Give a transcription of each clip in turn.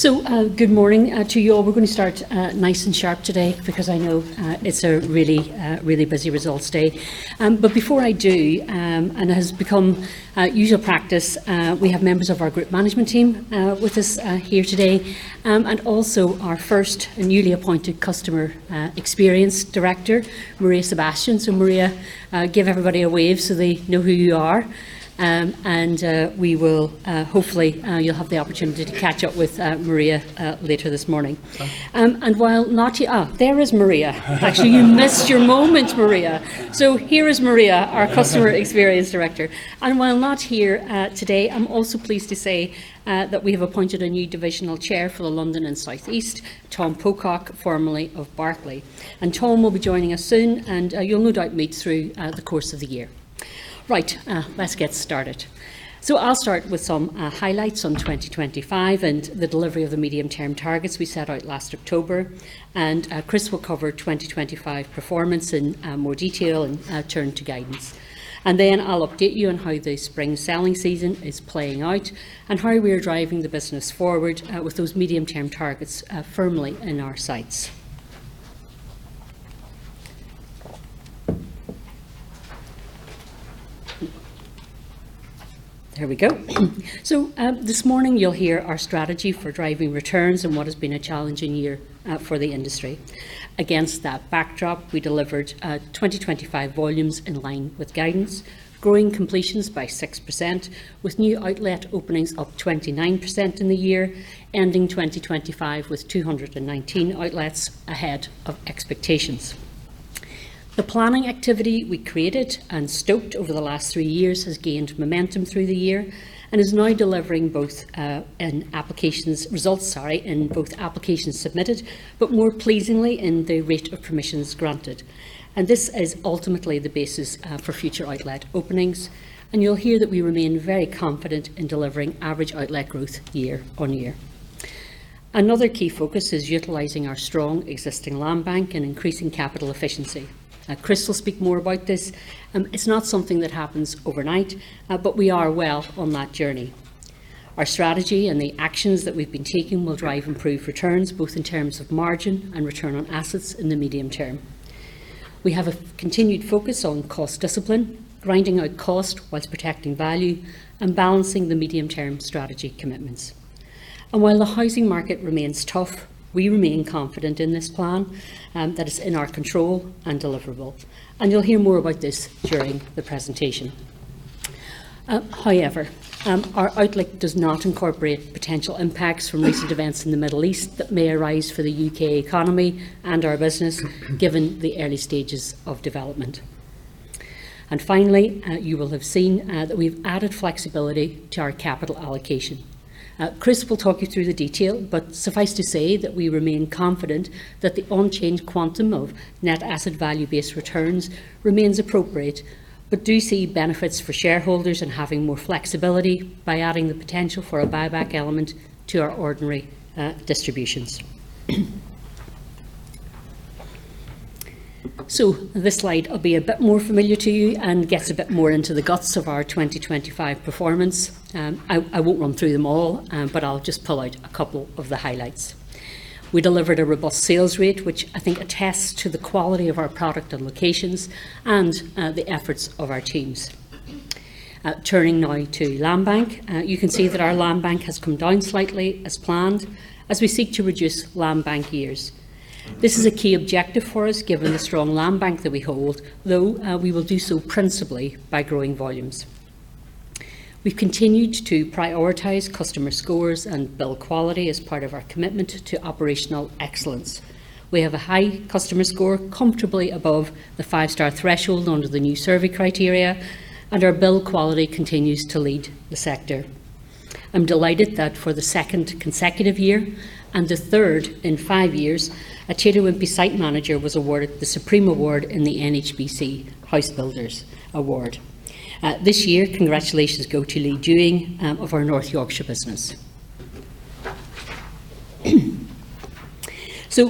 Good morning to you all. We're gonna start nice and sharp today because I know it's a really, really busy results day. Before I do, and it has become usual practice, we have members of our group management team with us here today. Also our first newly appointed Customer Experience Director, Maria Sebastian. Maria, give everybody a wave so they know who you are. We will hopefully you'll have the opportunity to catch up with Maria later this morning. While not... there is Maria. Actually, you missed your moment, Maria. Here is Maria, our Customer Experience Director. While not here today, I'm also pleased to say that we have appointed a new divisional chair for the London and South East, Tom Pocock, formerly of Berkeley Group. Tom will be joining us soon, and you'll no doubt meet through the course of the year. Right. Let's get started. I'll start with some highlights on 2025 and the delivery of the medium-term targets we set out last October. Chris will cover 2025 performance in more detail and turn to guidance. I'll update you on how the spring selling season is playing out and how we are driving the business forward with those medium-term targets firmly in our sights. There we go. This morning you'll hear our strategy for driving returns in what has been a challenging year for the industry. Against that backdrop, we delivered 2025 volumes in line with guidance, growing completions by 6%, with new outlet openings up 29% in the year, ending 2025 with 219 outlets ahead of expectations. The planning activity we created and stoked over the last three years has gained momentum through the year and is now delivering both in applications, results, sorry, in both applications submitted, but more pleasingly in the rate of permissions granted. This is ultimately the basis for future outlet openings, and you'll hear that we remain very confident in delivering average outlet growth year-on-year. Another key focus is utilizing our strong existing land bank and increasing capital efficiency. Chris will speak more about this. It's not something that happens overnight, but we are well on that journey. Our strategy and the actions that we've been taking will drive improved returns, both in terms of margin and return on assets in the medium term. We have a continued focus on cost discipline, grinding out cost while protecting value, and balancing the medium term strategy commitments. While the housing market remains tough, we remain confident in this plan that it's in our control and deliverable. You'll hear more about this during the presentation. However, our outlook does not incorporate potential impacts from recent events in the Middle East that may arise for the U.K. economy and our business, given the early stages of development. Finally, you will have seen that we've added flexibility to our capital allocation. Chris will talk you through the detail, suffice to say that we remain confident that the unchanged quantum of net asset value based returns remains appropriate. Do see benefits for shareholders in having more flexibility by adding the potential for a buyback element to our ordinary distributions. This slide will be a bit more familiar to you and gets a bit more into the guts of our 2025 performance. I won't run through them all, but I'll just pull out a couple of the highlights. We delivered a robust sales rate, which I think attests to the quality of our product and locations and the efforts of our teams. Turning now to land bank. You can see that our land bank has come down slightly as planned, as we seek to reduce land bank years. This is a key objective for us, given the strong land bank that we hold, though, we will do so principally by growing volumes. We've continued to prioritize customer scores and build quality as part of our commitment to operational excellence. We have a high customer score, comfortably above the 5-star threshold under the new survey criteria, and our build quality continues to lead the sector. I'm delighted that for the 2nd consecutive year and the 3rd in 5 years, a Taylor Wimpey plc site manager was awarded the Supreme Award in the NHBC House Builders award. This year, congratulations go to Lee Dewing of our North Yorkshire business.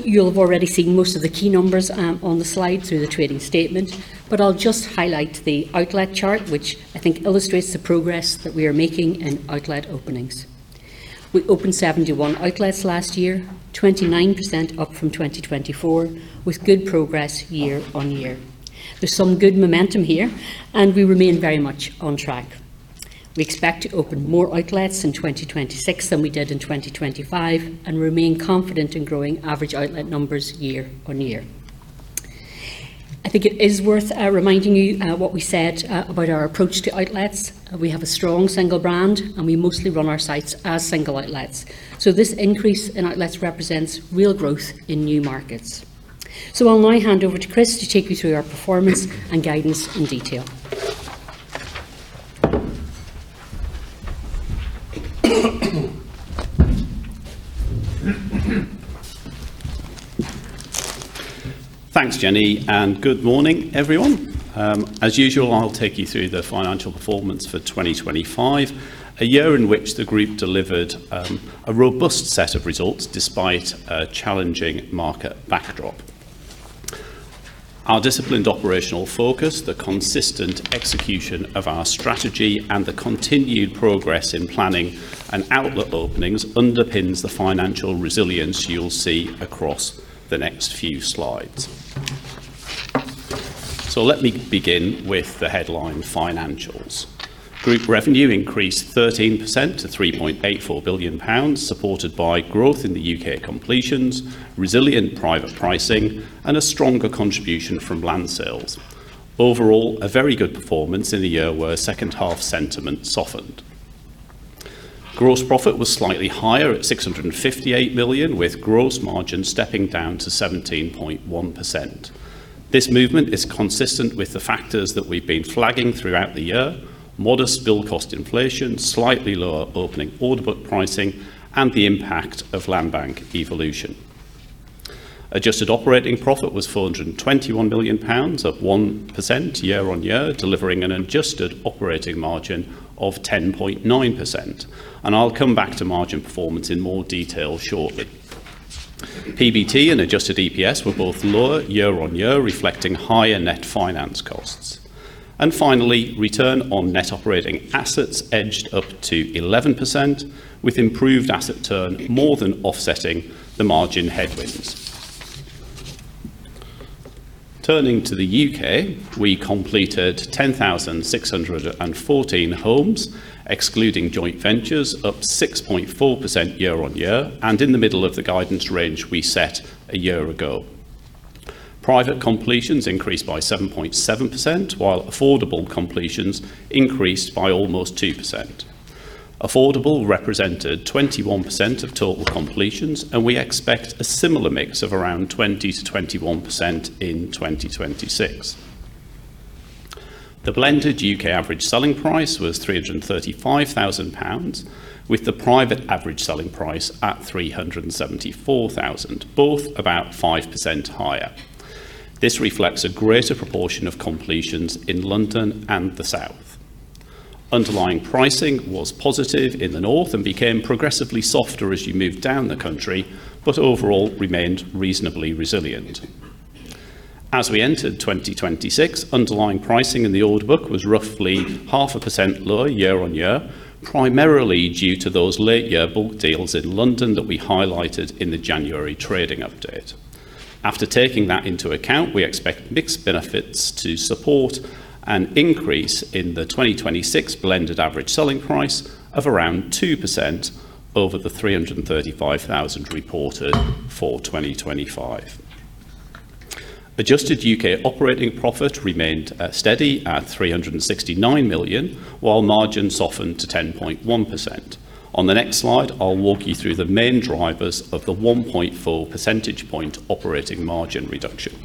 You'll have already seen most of the key numbers on the slide through the trading statement, but I'll just highlight the outlet chart, which I think illustrates the progress that we are making in outlet openings. We opened 71 outlets last year, 29% up from 2024, with good progress year on year. There's some good momentum here, and we remain very much on track. We expect to open more outlets in 2026 than we did in 2025 and remain confident in growing average outlet numbers year on year. I think it is worth reminding you what we said about our approach to outlets. We have a strong single brand, and we mostly run our sites as single outlets. This increase in outlets represents real growth in new markets. I'll now hand over to Chris to take you through our performance and guidance in detail. Thanks, Jennie. Good morning, everyone. As usual, I'll take you through the financial performance for 2025, a year in which the group delivered a robust set of results despite a challenging market backdrop. Our disciplined operational focus, the consistent execution of our strategy, and the continued progress in planning and outlet openings underpins the financial resilience you will see across the next few slides. Let me begin with the headline financials. Group revenue increased 13% to 3.84 billion pounds, supported by growth in the U.K. completions, resilient private pricing, and a stronger contribution from land sales. Overall, a very good performance in the year where second half sentiment softened. Gross profit was slightly higher at 658 million, with gross margin stepping down to 17.1%. This movement is consistent with the factors that we've been flagging throughout the year. Modest build cost inflation, slightly lower opening order book pricing, and the impact of landbank evolution. Adjusted operating profit was 421 million pounds, up 1% year-over-year, delivering an adjusted operating margin of 10.9%. I'll come back to margin performance in more detail shortly. PBT and adjusted EPS were both lower year-over-year, reflecting higher net finance costs. Finally, return on net operating assets edged up to 11%, with improved asset turn more than offsetting the margin headwinds. Turning to the U.K., we completed 10,614 homes, excluding joint ventures, up 6.4% year-over-year and in the middle of the guidance range we set a year ago. Private completions increased by 7.7%, while affordable completions increased by almost 2%. Affordable represented 21% of total completions, we expect a similar mix of around 20%-21% in 2026. The blended U.K. average selling price was 335,000 pounds, with the private average selling price at 374,000, both about 5% higher. This reflects a greater proportion of completions in London and the South. Underlying pricing was positive in the North and became progressively softer as you move down the country, but overall remained reasonably resilient. As we entered 2026, underlying pricing in the order book was roughly 0.5% lower year-over-year, primarily due to those late year bulk deals in London that we highlighted in the January trading update. After taking that into account, we expect mixed benefits to support an increase in the 2026 blended average selling price of around 2% over the 335,000 reported for 2025. Adjusted U.K. operating profit remained steady at 369 million, while margin softened to 10.1%. On the next slide, I'll walk you through the main drivers of the 1.4% point operating margin reduction.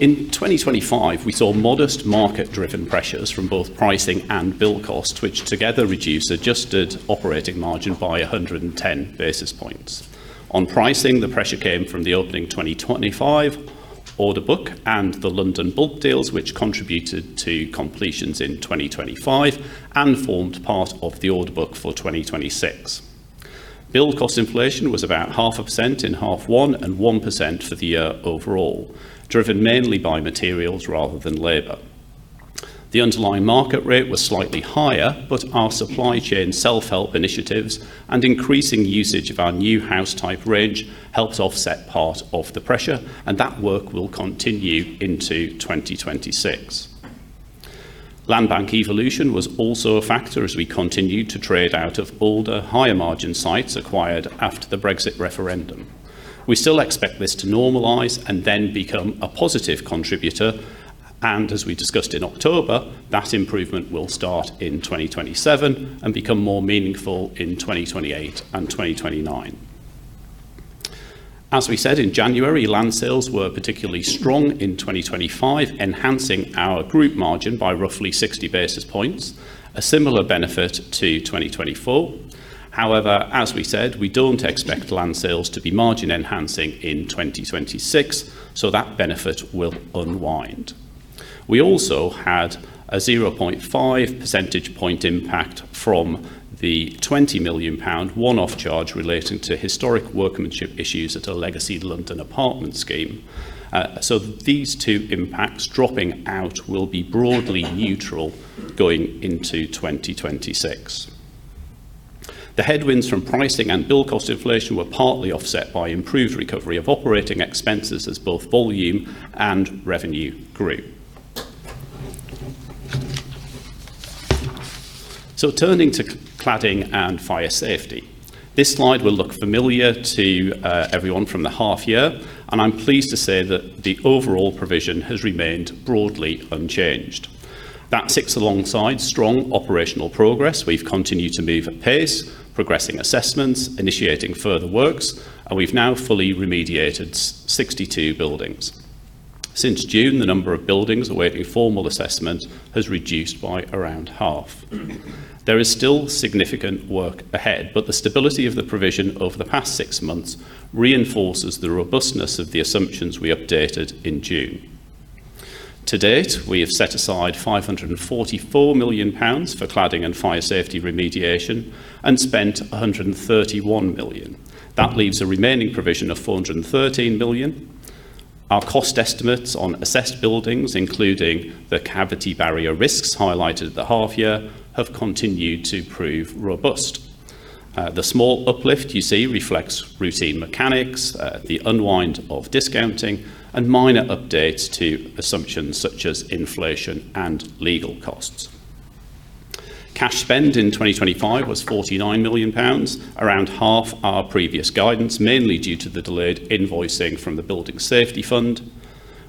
In 2025, we saw modest market driven pressures from both pricing and build cost, which together reduced adjusted operating margin by 110 basis points. On pricing, the pressure came from the opening 2025 order book and the London bulk deals, which contributed to completions in 2025 and formed part of the order book for 2026. Build cost inflation was about 0.5% in half one and 1% for the year overall, driven mainly by materials rather than labor. The underlying market rate was slightly higher, but our supply chain self-help initiatives and increasing usage of our new house type range helped offset part of the pressure, and that work will continue into 2026. Landbank evolution was also a factor as we continued to trade out of older higher margin sites acquired after the Brexit referendum. We still expect this to normalize and then become a positive contributor. As we discussed in October, that improvement will start in 2027 and become more meaningful in 2028 and 2029. As we said in January, land sales were particularly strong in 2025, enhancing our group margin by roughly 60 basis points, a similar benefit to 2024. As we said, we don't expect land sales to be margin enhancing in 2026, so that benefit will unwind. We also had a 0.5% point impact from the 20 million pound one-off charge relating to historic workmanship issues at a legacy London apartment scheme. These two impacts dropping out will be broadly neutral going into 2026. The headwinds from pricing and build cost inflation were partly offset by improved recovery of operating expenses as both volume and revenue grew. Turning to cladding and fire safety. This slide will look familiar to everyone from the half year, and I'm pleased to say that the overall provision has remained broadly unchanged. That sits alongside strong operational progress. We've continued to move at pace, progressing assessments, initiating further works, and we've now fully remediated 62 buildings. Since June, the number of buildings awaiting formal assessment has reduced by around half. There is still significant work ahead, the stability of the provision over the past six months reinforces the robustness of the assumptions we updated in June. To date, we have set aside 544 million pounds for cladding and fire safety remediation and spent 131 million. That leaves a remaining provision of 413 million. Our cost estimates on assessed buildings, including the cavity barrier risks highlighted at the half year, have continued to prove robust. The small uplift you see reflects routine mechanics, the unwind of discounting and minor updates to assumptions such as inflation and legal costs. Cash spend in 2025 was 49 million pounds, around half our previous guidance, mainly due to the delayed invoicing from the Building Safety Fund.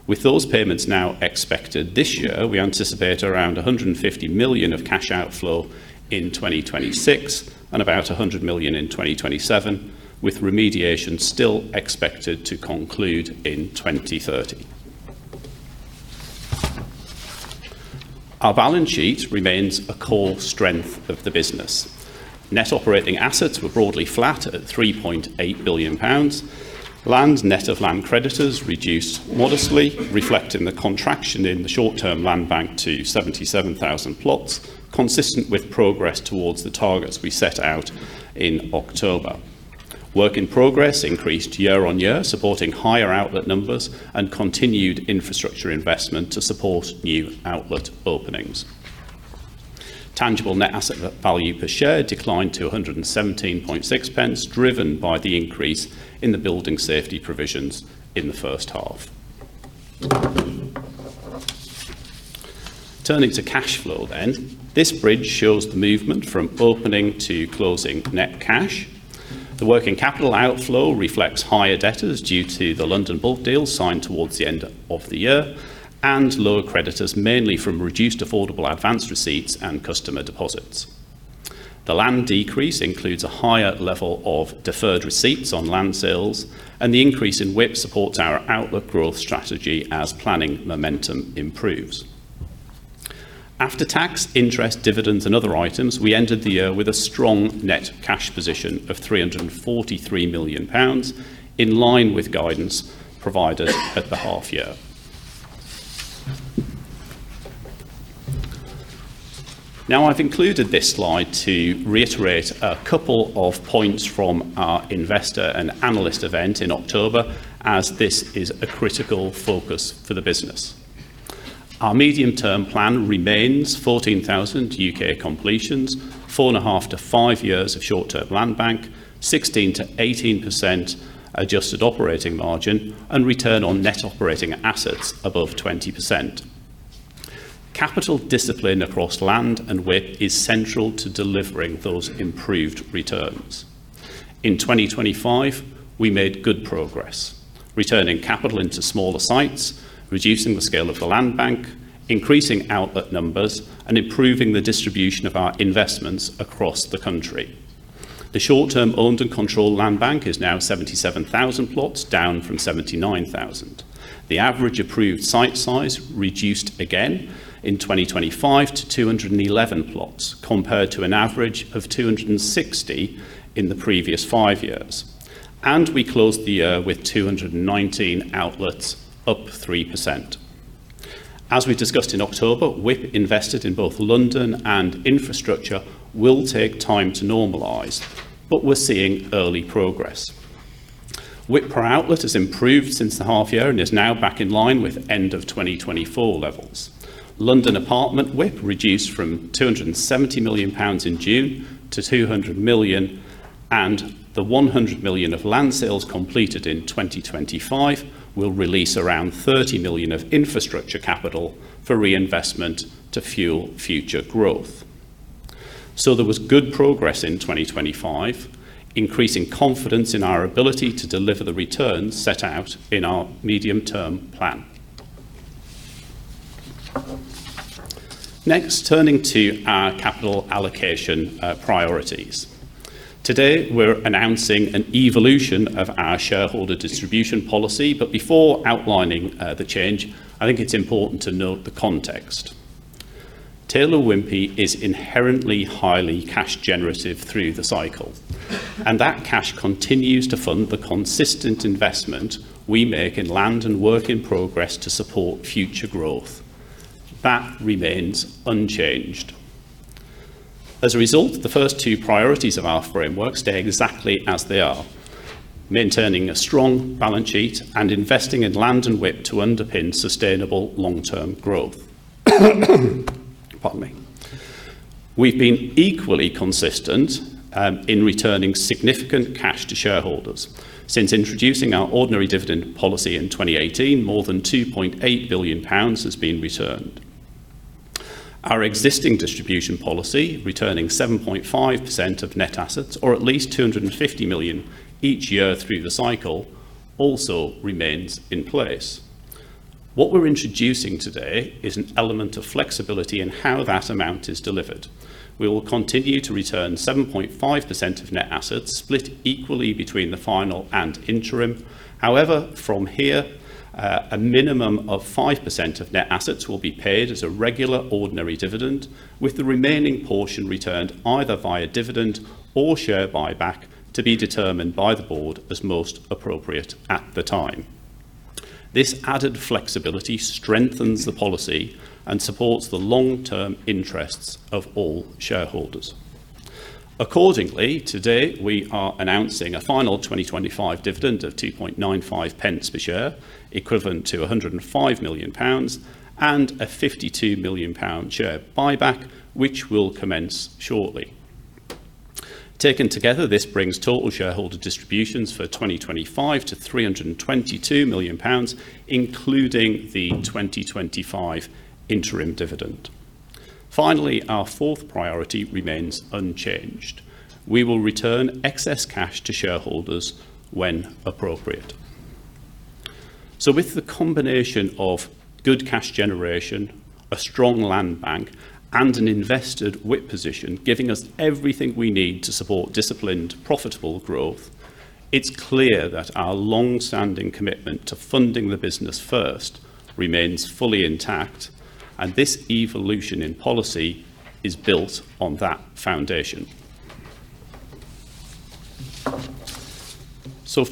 With those payments now expected this year, we anticipate around 150 million of cash outflow in 2026 and about 100 million in 2027, with remediation still expected to conclude in 2030. Our balance sheet remains a core strength of the business. Net operating assets were broadly flat at 3.8 billion pounds. Land net of land creditors reduced modestly, reflecting the contraction in the short-term land bank to 77,000 plots, consistent with progress towards the targets we set out in October. Work in progress increased year-on-year, supporting higher outlet numbers and continued infrastructure investment to support new outlet openings. Tangible Net Asset Value Per Share declined to 117.6 pence, driven by the increase in the building safety provisions in the first half. Turning to cash flow. This bridge shows the movement from opening to closing net cash. The working capital outflow reflects higher debtors due to the London bulk deal signed towards the end of the year and lower creditors, mainly from reduced affordable advance receipts and customer deposits. The land decrease includes a higher level of deferred receipts on land sales, and the increase in WIP supports our outlet growth strategy as planning momentum improves. After tax, interest, dividends, and other items, we ended the year with a strong net cash position of 343 million pounds, in line with guidance provided at the half year. Now, I've included this slide to reiterate a couple of points from our investor and analyst event in October, as this is a critical focus for the business. Our medium-term plan remains 14,000 U.K. completions, 4.5-5 years of short-term land bank, 16%-18% adjusted operating margin, and Return on Net Operating Assets above 20%. Capital discipline across land and WIP is central to delivering those improved returns. In 2025, we made good progress, returning capital into smaller sites, reducing the scale of the land bank, increasing outlet numbers, and improving the distribution of our investments across the country. The short-term owned and controlled land bank is now 77,000 plots, down from 79,000. The average approved site size reduced again in 2025 to 211 plots, compared to an average of 260 in the previous 5 years. We closed the year with 219 outlets, up 3%. As we discussed in October, WIP invested in both London and infrastructure will take time to normalize, but we're seeing early progress. WIP per outlet has improved since the half year and is now back in line with end of 2024 levels. London apartment WIP reduced from 270 million pounds in June to 200 million, and the 100 million of land sales completed in 2025 will release around 30 million of infrastructure capital for reinvestment to fuel future growth. There was good progress in 2025, increasing confidence in our ability to deliver the returns set out in our medium-term plan. Turning to our capital allocation, priorities. Today, we're announcing an evolution of our shareholder distribution policy. Before outlining, the change, I think it's important to note the context. Taylor Wimpey is inherently highly cash generative through the cycle, and that cash continues to fund the consistent investment we make in land and work in progress to support future growth. That remains unchanged. As a result, the first two priorities of our framework stay exactly as they are, maintaining a strong balance sheet and investing in land and WIP to underpin sustainable long-term growth. Pardon me. We've been equally consistent in returning significant cash to shareholders. Since introducing our ordinary dividend policy in 2018, more than 2.8 billion pounds has been returned. Our existing distribution policy, returning 7.5% of net assets or at least 250 million each year through the cycle, also remains in place. What we're introducing today is an element of flexibility in how that amount is delivered. We will continue to return 7.5% of net assets split equally between the final and interim. However, from here, a minimum of 5% of net assets will be paid as a regular ordinary dividend, with the remaining portion returned either via dividend or share buyback to be determined by the board as most appropriate at the time. This added flexibility strengthens the policy and supports the long-term interests of all shareholders. Accordingly, today we are announcing a final 2025 dividend of 2.95 pence per share, equivalent to 105 million pounds, and a 52 million pound share buyback which will commence shortly. Taken together, this brings total shareholder distributions for 2025 to 322 million pounds, including the 2025 interim dividend. Finally, our fourth priority remains unchanged. We will return excess cash to shareholders when appropriate. With the combination of good cash generation, a strong land bank, and an invested WIP position giving us everything we need to support disciplined, profitable growth, it's clear that our longstanding commitment to funding the business first remains fully intact, and this evolution in policy is built on that foundation.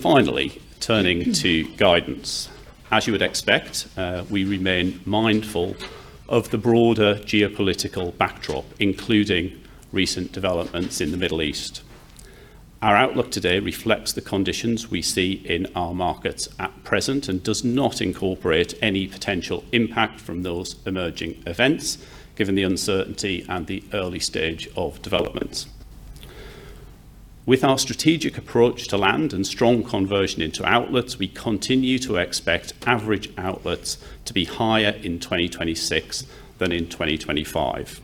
Finally, turning to guidance. As you would expect, we remain mindful of the broader geopolitical backdrop, including recent developments in the Middle East. Our outlook today reflects the conditions we see in our markets at present and does not incorporate any potential impact from those emerging events, given the uncertainty and the early stage of developments. With our strategic approach to land and strong conversion into outlets, we continue to expect average outlets to be higher in 2026 than in 2025.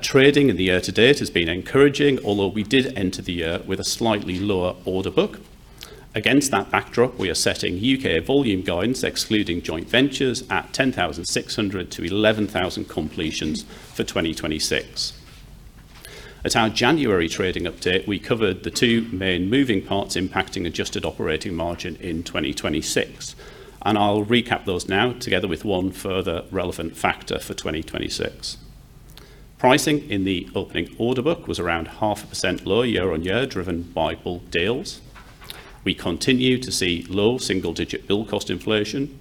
Trading in the year-to-date has been encouraging, although we did enter the year with a slightly lower order book. Against that backdrop, we are setting U.K. volume guidance, excluding joint ventures, at 10,600 to 11,000 completions for 2026. At our January trading update, we covered the two main moving parts impacting adjusted operating margin in 2026. I'll recap those now together with one further relevant factor for 2026. Pricing in the opening order book was around half a percent lower year-over-year, driven by bulk deals. We continue to see low single-digit build cost inflation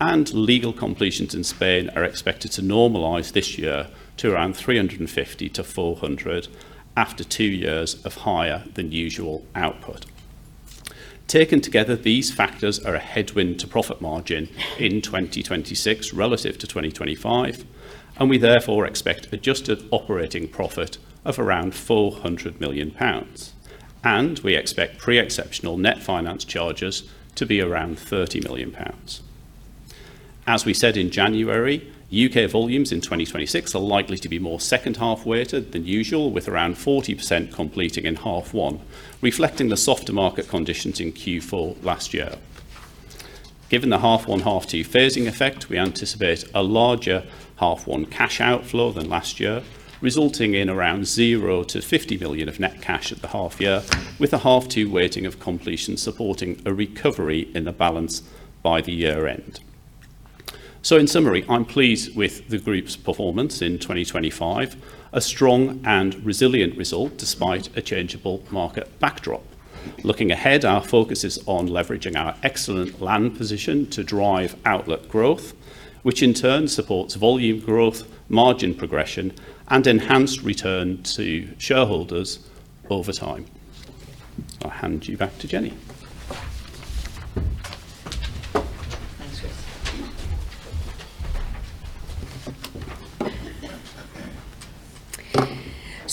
and legal completions in Spain are expected to normalize this year to around 350 to 400 after two years of higher than usual output. Taken together, these factors are a headwind to profit margin in 2026 relative to 2025. We therefore expect adjusted operating profit of around 400 million pounds. We expect pre-exceptional net finance charges to be around 30 million pounds. As we said in January, U.K. volumes in 2026 are likely to be more second half weighted than usual, with around 40% completing in half one, reflecting the softer market conditions in Q4 last year. Given the half one/half two phasing effect, we anticipate a larger half one cash outflow than last year, resulting in around zero to 50 million of net cash at the half year, with a half two weighting of completion supporting a recovery in the balance by the year end. In summary, I'm pleased with the group's performance in 2025, a strong and resilient result despite a changeable market backdrop. Looking ahead, our focus is on leveraging our excellent land position to drive outlet growth, which in turn supports volume growth, margin progression, and enhanced return to shareholders over time. I'll hand you back to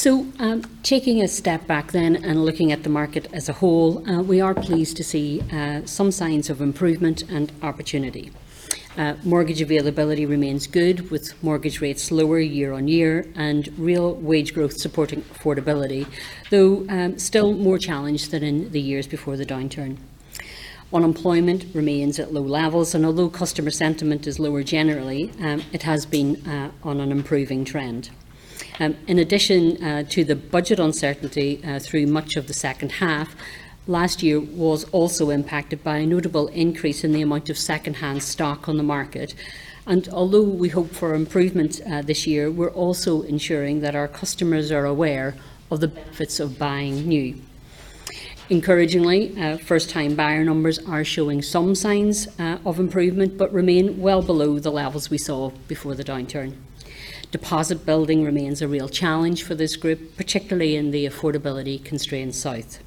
Jennie. Thanks, Chris. Taking a step back then and looking at the market as a whole, we are pleased to see some signs of improvement and opportunity. Mortgage availability remains good, with mortgage rates lower year-over-year and real wage growth supporting affordability, though, still more challenged than in the years before the downturn. Unemployment remains at low levels, and although customer sentiment is lower generally, it has been on an improving trend. In addition, to the budget uncertainty, through much of the second half, last year was also impacted by a notable increase in the amount of secondhand stock on the market. Although we hope for improvement, this year, we're also ensuring that our customers are aware of the benefits of buying new. Encouragingly, first-time buyer numbers are showing some signs of improvement, but remain well below the levels we saw before the downturn. Deposit building remains a real challenge for this group, particularly in the affordability constrained south.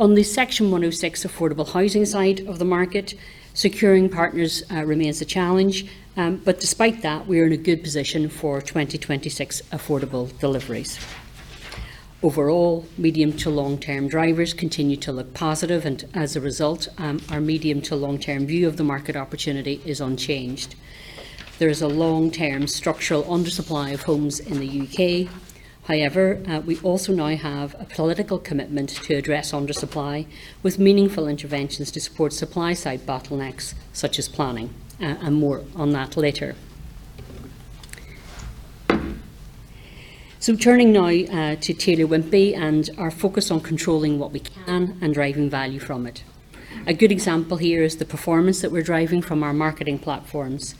On the Section 106 affordable housing side of the market, securing partners remains a challenge, but despite that, we are in a good position for 2026 affordable deliveries. Overall, medium-to-long-term drivers continue to look positive, and as a result, our medium-to-long-term view of the market opportunity is unchanged. There is a long-term structural undersupply of homes in the U.K. However, we also now have a political commitment to address undersupply with meaningful interventions to support supply-side bottlenecks such as planning, and more on that later. Turning now to Taylor Wimpey and our focus on controlling what we can and driving value from it. A good example here is the performance that we're driving from our marketing platforms.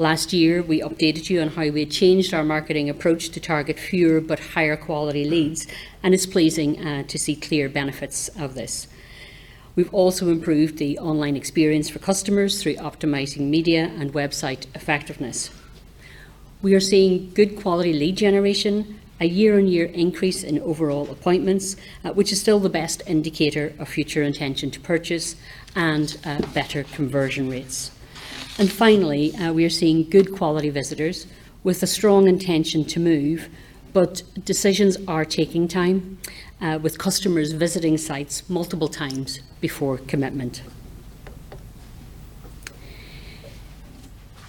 Last year, we updated you on how we had changed our marketing approach to target fewer but higher quality leads, and it's pleasing to see clear benefits of this. We've also improved the online experience for customers through optimizing media and website effectiveness. We are seeing good quality lead generation, a year-on-year increase in overall appointments, which is still the best indicator of future intention to purchase and better conversion rates. Finally, we are seeing good quality visitors with a strong intention to move, but decisions are taking time with customers visiting sites multiple times before commitment.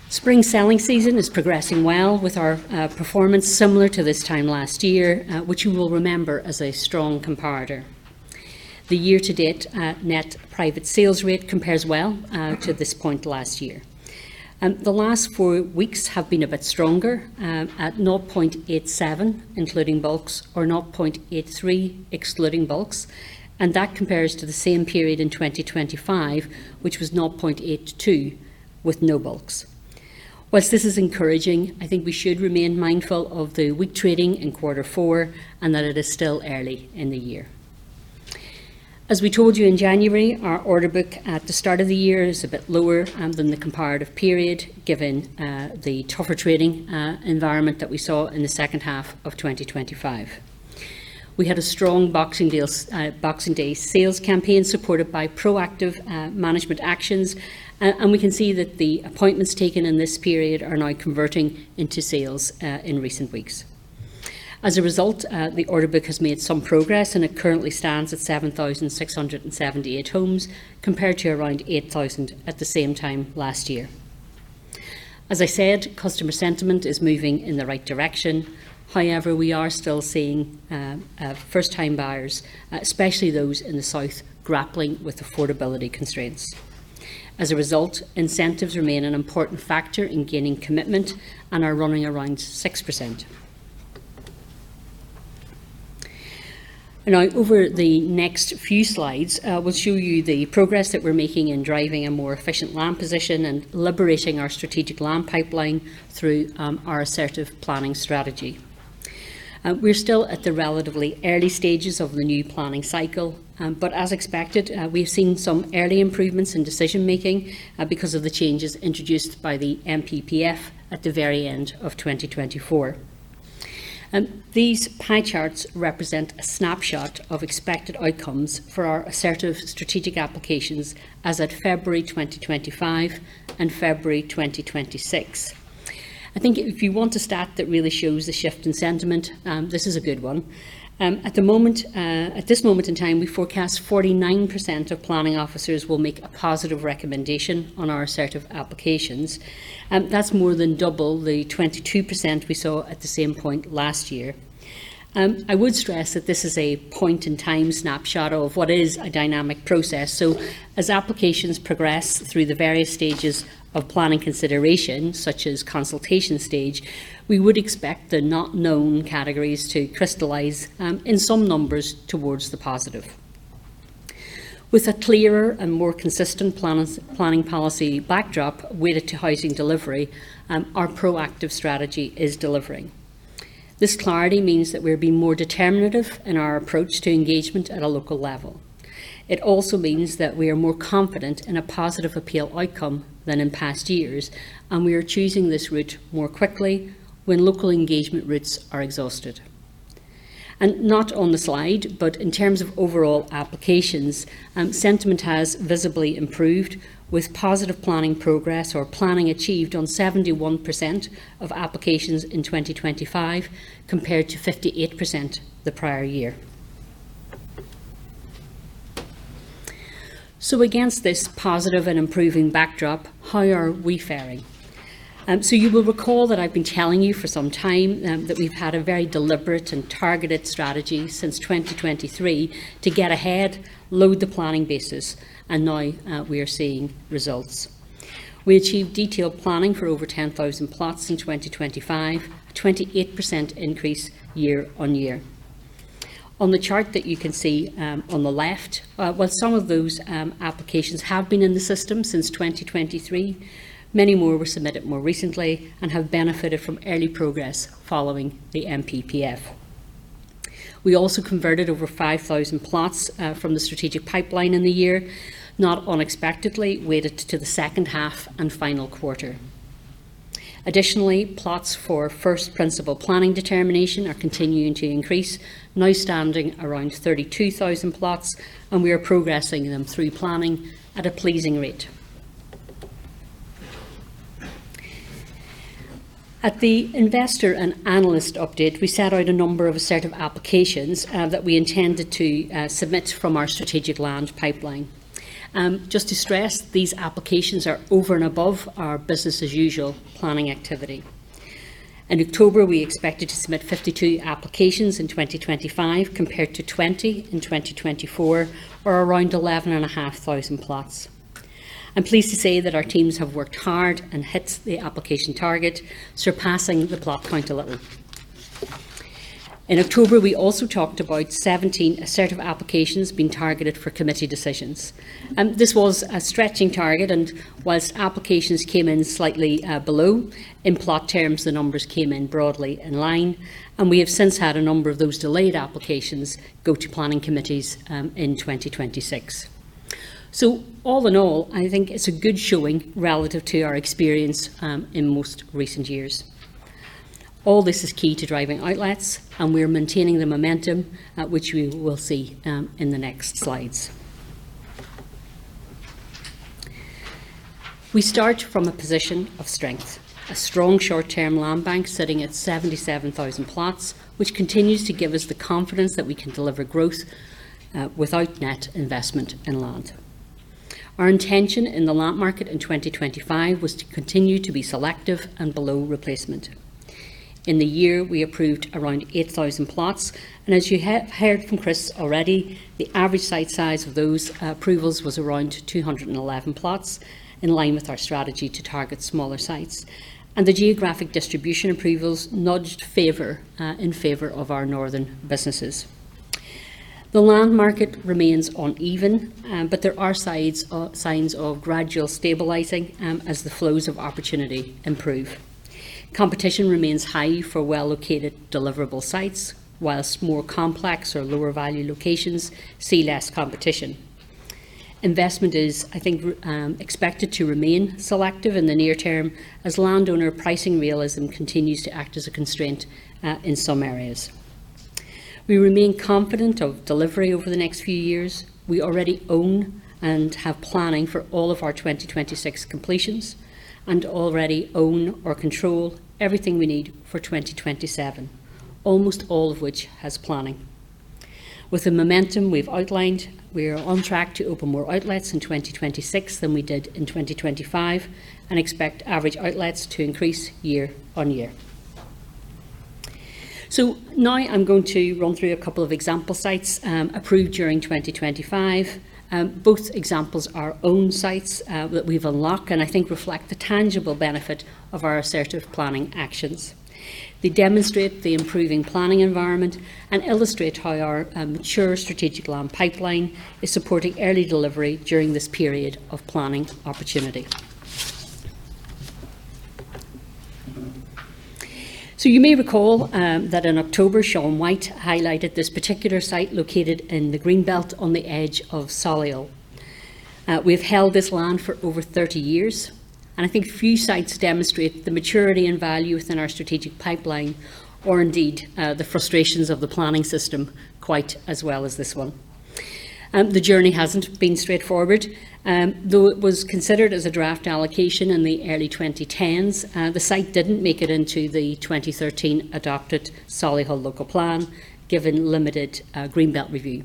Spring selling season is progressing well with our performance similar to this time last year, which you will remember as a strong comparator. The year-to-date net private sales rate compares well to this point last year. The last four weeks have been a bit stronger at 0.87 including bulks or 0.83 excluding bulks. That compares to the same period in 2025, which was 0.82 with no bulks. While this is encouraging, I think we should remain mindful of the weak trading in quarter four and that it is still early in the year. As we told you in January, our order book at the start of the year is a bit lower, than the comparative period given, the tougher trading, environment that we saw in the second half of 2025. We had a strong boxing deals, Boxing Day sales campaign supported by proactive, management actions. We can see that the appointments taken in this period are now converting into sales, in recent weeks. As a result, the order book has made some progress and it currently stands at 7,678 homes compared to around 8,000 at the same time last year. As I said, customer sentiment is moving in the right direction. However, we are still seeing, first-time buyers, especially those in the South grappling with affordability constraints. Incentives remain an important factor in gaining commitment and are running around 6%. Over the next few slides, we'll show you the progress that we're making in driving a more efficient land position and liberating our strategic land pipeline through our assertive planning strategy. We're still at the relatively early stages of the new planning cycle. As expected, we've seen some early improvements in decision making because of the changes introduced by the NPPF at the very end of 2024. These pie charts represent a snapshot of expected outcomes for our assertive strategic applications as at February 2025 and February 2026. I think if you want a stat that really shows the shift in sentiment, this is a good one. At the moment, at this moment in time, we forecast 49% of planning officers will make a positive recommendation on our assertive applications. That's more than double the 22% we saw at the same point last year. I would stress that this is a point in time snapshot of what is a dynamic process. As applications progress through the various stages of planning consideration, such as consultation stage, we would expect the not known categories to crystallize in some numbers towards the positive. With a clearer and more consistent planning policy backdrop weighted to housing delivery, our proactive strategy is delivering. This clarity means that we're being more determinative in our approach to engagement at a local level. It also means that we are more confident in a positive appeal outcome than in past years, and we are choosing this route more quickly when local engagement routes are exhausted. Not on the slide, but in terms of overall applications, sentiment has visibly improved with positive planning progress or planning achieved on 71% of applications in 2025 compared to 58% the prior year. Against this positive and improving backdrop, how are we faring? You will recall that I've been telling you for some time that we've had a very deliberate and targeted strategy since 2023 to get ahead, load the planning bases and now we are seeing results. We achieved detailed planning for over 10,000 plots in 2025, a 28% increase year-on-year. On the chart that you can see, on the left, while some of those applications have been in the system since 2023, many more were submitted more recently and have benefited from early progress following the NPPF. We also converted over 5,000 plots from the strategic pipeline in the year, not unexpectedly weighted to the second half and final quarter. Additionally, plots for first principle planning determination are continuing to increase. Now standing around 32,000 plots, and we are progressing them through planning at a pleasing rate. At the investor and analyst update, we set out a number of assertive applications that we intended to submit from our strategic land pipeline. Just to stress, these applications are over and above our business as usual planning activity. In October, we expected to submit 52 applications in 2025 compared to 20 in 2024 or around 11,500 plots. I'm pleased to say that our teams have worked hard and hit the application target, surpassing the plot count a little. In October, we also talked about 17 assertive applications being targeted for committee decisions. This was a stretching target, and whilst applications came in slightly below, in plot terms, the numbers came in broadly in line, and we have since had a number of those delayed applications go to planning committees in 2026. All in all, I think it's a good showing relative to our experience in most recent years. All this is key to driving outlets, and we're maintaining the momentum at which we will see in the next slides. We start from a position of strength. A strong short-term land bank sitting at 77,000 plots, which continues to give us the confidence that we can deliver growth without net investment in land. Our intention in the land market in 2025 was to continue to be selective and below replacement. In the year, we approved around 8,000 plots, and as you have heard from Chris already, the average site size of those approvals was around 211 plots, in line with our strategy to target smaller sites. The geographic distribution approvals nudged favor in favor of our northern businesses. The land market remains uneven, but there are signs of gradual stabilizing as the flows of opportunity improve. Competition remains high for well-located deliverable sites, whilst more complex or lower value locations see less competition. Investment is, I think, expected to remain selective in the near term as landowner pricing realism continues to act as a constraint in some areas. We remain confident of delivery over the next few years. We already own and have planning for all of our 2026 completions and already own or control everything we need for 2027, almost all of which has planning. With the momentum we've outlined, we are on track to open more outlets in 2026 than we did in 2025 and expect average outlets to increase year-on-year. Now I'm going to run through a couple of example sites approved during 2025. Both examples are own sites that we've unlocked and I think reflect the tangible benefit of our assertive planning actions. They demonstrate the improving planning environment and illustrate how our mature strategic land pipeline is supporting early delivery during this period of planning opportunity. You may recall that in October, Shaun White highlighted this particular site located in the Green Belt on the edge of Solihull. We've held this land for over 30 years, and I think few sites demonstrate the maturity and value within our strategic pipeline, or indeed, the frustrations of the planning system quite as well as this one. The journey hasn't been straightforward. Though it was considered as a draft allocation in the early 2010s, the site didn't make it into the 2013 adopted Solihull Local Plan, given limited Green Belt Review.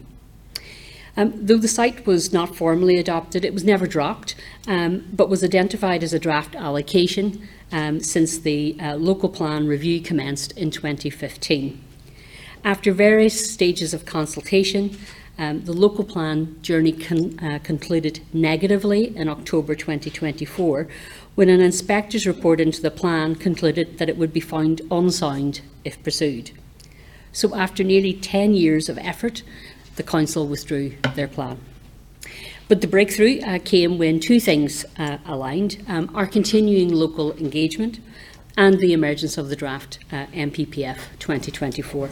Though the site was not formally adopted, it was never dropped, but was identified as a draft allocation, since the local plan review commenced in 2015. After various stages of consultation, the local plan journey concluded negatively in October 2024, when an inspector's report into the plan concluded that it would be found unsound if pursued. After nearly 10 years of effort, the council withdrew their plan. The breakthrough came when two things aligned, our continuing local engagement and the emergence of the draft NPPF 2024.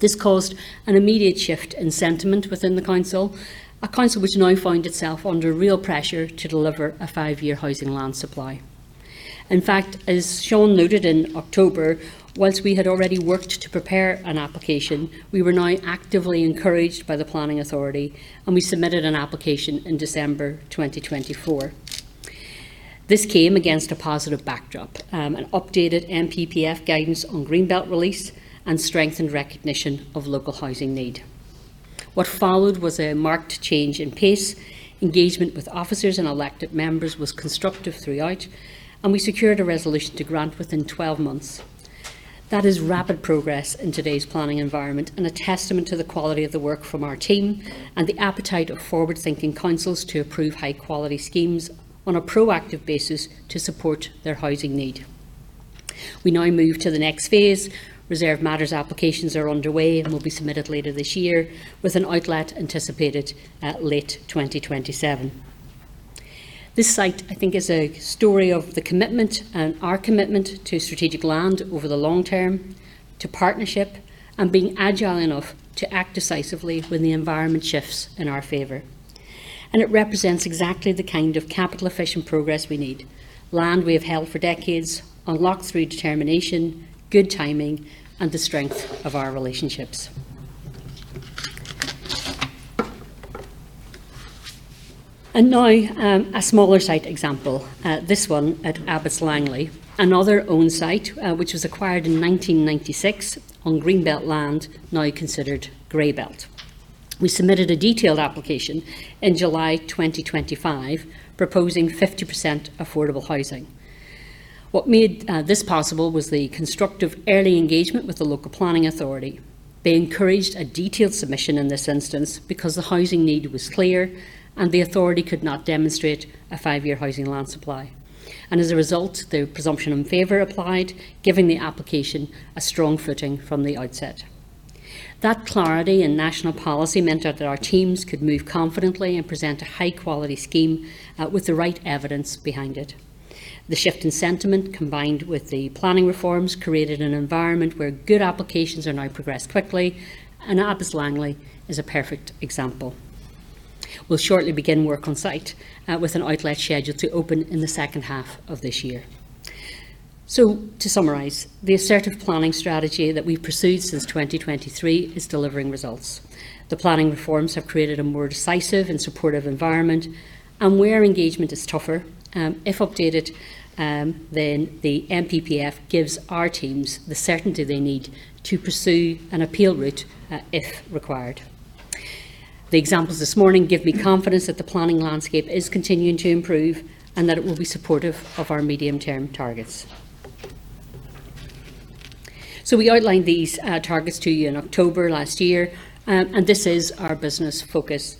This caused an immediate shift in sentiment within the council, a council which now found itself under real pressure to deliver a five-year housing land supply. In fact, as Shaun noted in October, whilst we had already worked to prepare an application, we were now actively encouraged by the planning authority. We submitted an application in December 2024. This came against a positive backdrop, an updated NPPF guidance on Green Belt release and strengthened recognition of local housing need. What followed was a marked change in pace. Engagement with officers and elected members was constructive throughout. We secured a resolution to grant within 12 months. That is rapid progress in today's planning environment and a testament to the quality of the work from our team and the appetite of forward-thinking councils to approve high-quality schemes on a proactive basis to support their housing need. We now move to the next phase. Reserve matters applications are underway and will be submitted later this year with an outlet anticipated at late 2027. This site, I think, is a story of the commitment and our commitment to strategic land over the long term, to partnership, and being agile enough to act decisively when the environment shifts in our favor. It represents exactly the kind of capital efficient progress we need. Land we have held for decades, unlocked through determination, good timing, and the strength of our relationships. Now, a smaller site example, this one at Abbots Langley, another owned site, which was acquired in 1996 on Green Belt land now considered Grey Belt. We submitted a detailed application in July 2025 proposing 50% affordable housing. What made this possible was the constructive early engagement with the local planning authority. They encouraged a detailed submission in this instance because the housing need was clear, and the authority could not demonstrate a 5-year housing land supply. As a result, the presumption in favor applied, giving the application a strong footing from the outset. That clarity in national policy meant that our teams could move confidently and present a high-quality scheme, with the right evidence behind it. The shift in sentiment combined with the planning reforms created an environment where good applications are now progressed quickly, and Abbots Langley is a perfect example. We'll shortly begin work on site, with an outlet scheduled to open in the second half of this year. To summarize, the assertive planning strategy that we've pursued since 2023 is delivering results. The planning reforms have created a more decisive and supportive environment. Where engagement is tougher, if updated, then the NPPF gives our teams the certainty they need to pursue an appeal route, if required. The examples this morning give me confidence that the planning landscape is continuing to improve and that it will be supportive of our medium-term targets. We outlined these targets to you in October last year, and this is our business focus.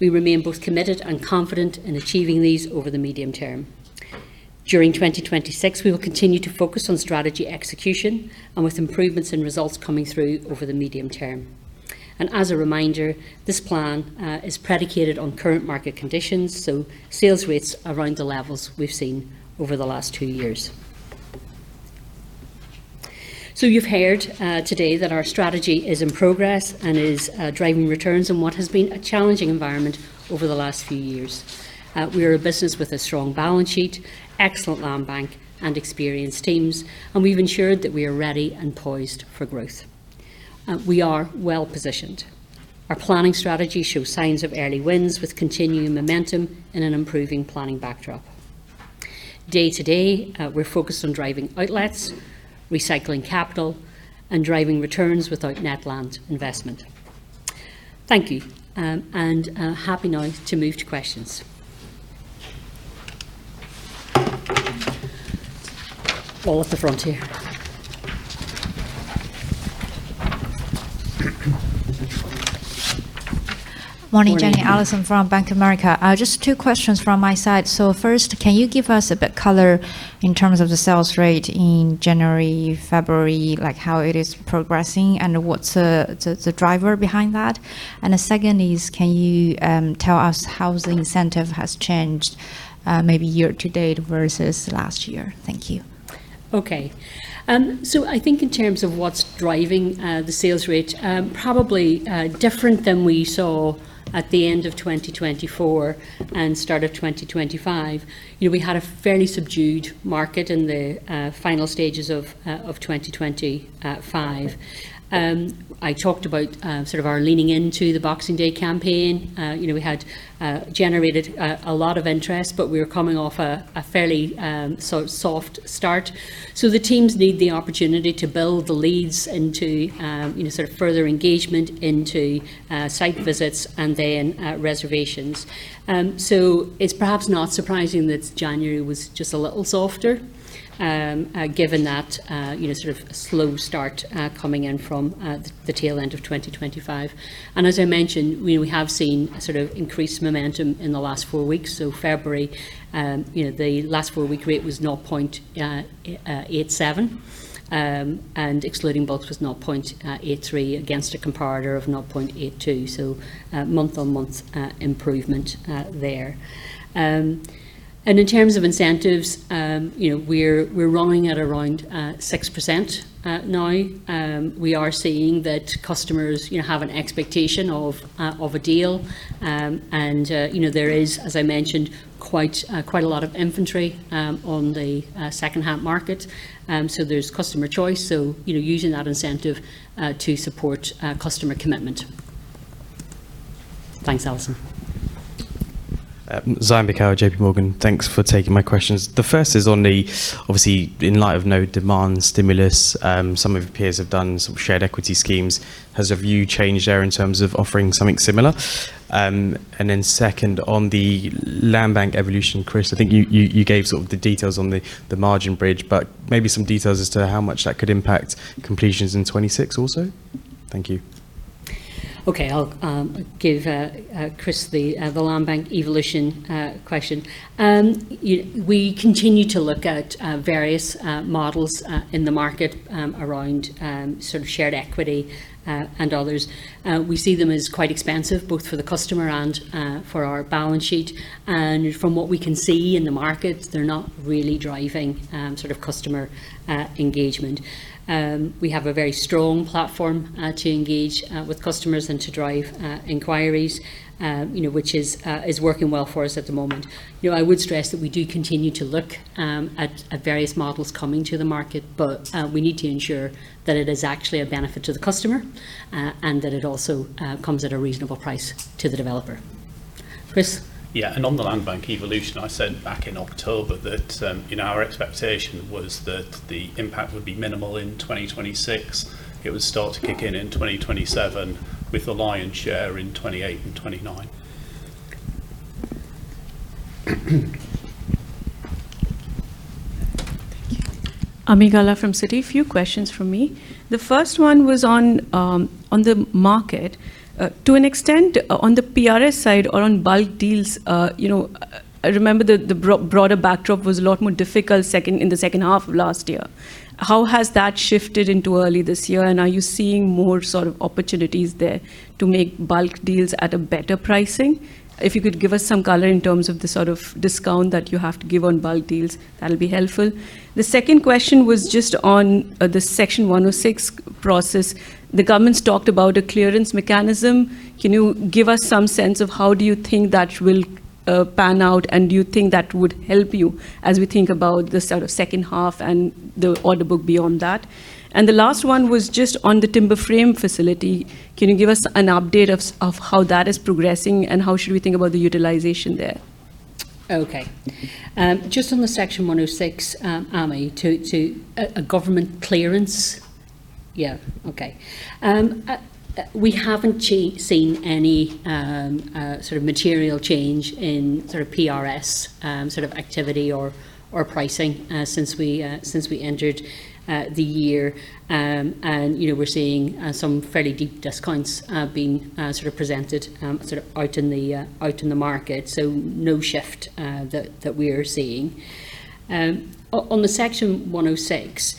We remain both committed and confident in achieving these over the medium term. During 2026, we will continue to focus on strategy execution and with improvements in results coming through over the medium term. As a reminder, this plan is predicated on current market conditions, so sales rates around the levels we've seen over the last two years. You've heard today that our strategy is in progress and is driving returns in what has been a challenging environment over the last few years. We are a business with a strong balance sheet, excellent land bank, and experienced teams, and we've ensured that we are ready and poised for growth. We are well positioned. Our planning strategy shows signs of early wins with continuing momentum in an improving planning backdrop. Day to day, we're focused on driving outlets, recycling capital, and driving returns without net land investment. Thank you, and happy now to move to questions. All at the front here. Morning. Morning, Jennie. Allison from Bank of America. Just two questions from my side. First, can you give us a bit color in terms of the sales rate in January, February, like how it is progressing and what's the driver behind that? The second is, can you tell us how the incentive has changed, maybe year-to-date versus last year? Thank you. I think in terms of what's driving the sales rate, probably different than we saw at the end of 2024 and start of 2025. You know, we had a fairly subdued market in the final stages of 2025. I talked about sort of our leaning into the Boxing Day campaign. You know, we had generated a lot of interest, but we were coming off a fairly sort of soft start. The teams need the opportunity to build the leads into, you know, sort of further engagement into site visits and then reservations. It's perhaps not surprising that January was just a little softer, given that, you know, sort of slow start, coming in from the tail end of 2025. As I mentioned, you know, we have seen sort of increased momentum in the last four weeks. February, you know, the last four-week rate was 0.87. Excluding bulk was 0.83 against a comparator of 0.82. Month-on-month improvement there. In terms of incentives, you know, we're running at around 6% now. We are seeing that customers, you know, have an expectation of a deal. You know, there is, as I mentioned, quite a lot of inventory, on the second-hand market. There's customer choice, so, you know, using that incentive, to support customer commitment. Thanks, Allison. Zaim Beekawa, JP Morgan. Thanks for taking my questions. The first is on the, obviously, in light of no demand stimulus, some of your peers have done some shared equity schemes. Has your view changed there in terms of offering something similar? Then second, on the land bank evolution, Chris, I think you gave sort of the details on the margin bridge, but maybe some details as to how much that could impact completions in 2026 also. Thank you. Okay. I'll give Chris the land bank evolution question. We continue to look at various models in the market around sort of shared equity and others. We see them as quite expensive both for the customer and for our balance sheet. From what we can see in the market, they're not really driving sort of customer engagement. We have a very strong platform to engage with customers and to drive inquiries, you know, which is working well for us at the moment. You know, I would stress that we do continue to look at various models coming to the market, but, we need to ensure that it is actually a benefit to the customer, and that it also, comes at a reasonable price to the developer. Chris? Yeah. On the land bank evolution, I said back in October that, you know, our expectation was that the impact would be minimal in 2026. It would start to kick in in 2027, with the lion's share in 28 and 29. Thank you. Ami Galla from Citigroup. Few questions from me. The first one was on the market. To an extent, on the PRS side or on bulk deals, you know, I remember the broader backdrop was a lot more difficult in the second half of last year. How has that shifted into early this year, and are you seeing more sort of opportunities there to make bulk deals at a better pricing? If you could give us some color in terms of the sort of discount that you have to give on bulk deals, that'll be helpful. The second question was just on the Section 106 process The government's talked about a clearance mechanism. Can you give us some sense of how do you think that will pan out? Do you think that would help you as we think about the sort of second half and the order book beyond that? The last one was just on the timber frame facility. Can you give us an update of how that is progressing and how should we think about the utilization there? Okay. Just on the Section 106, Ami, to a government clearance? Yeah. Okay. We haven't seen any sort of material change in sort of PRS sort of activity or pricing since we since we entered the year. You know, we're seeing some fairly deep discounts being sort of presented sort of out in the out in the market. No shift that we are seeing. On the Section 106,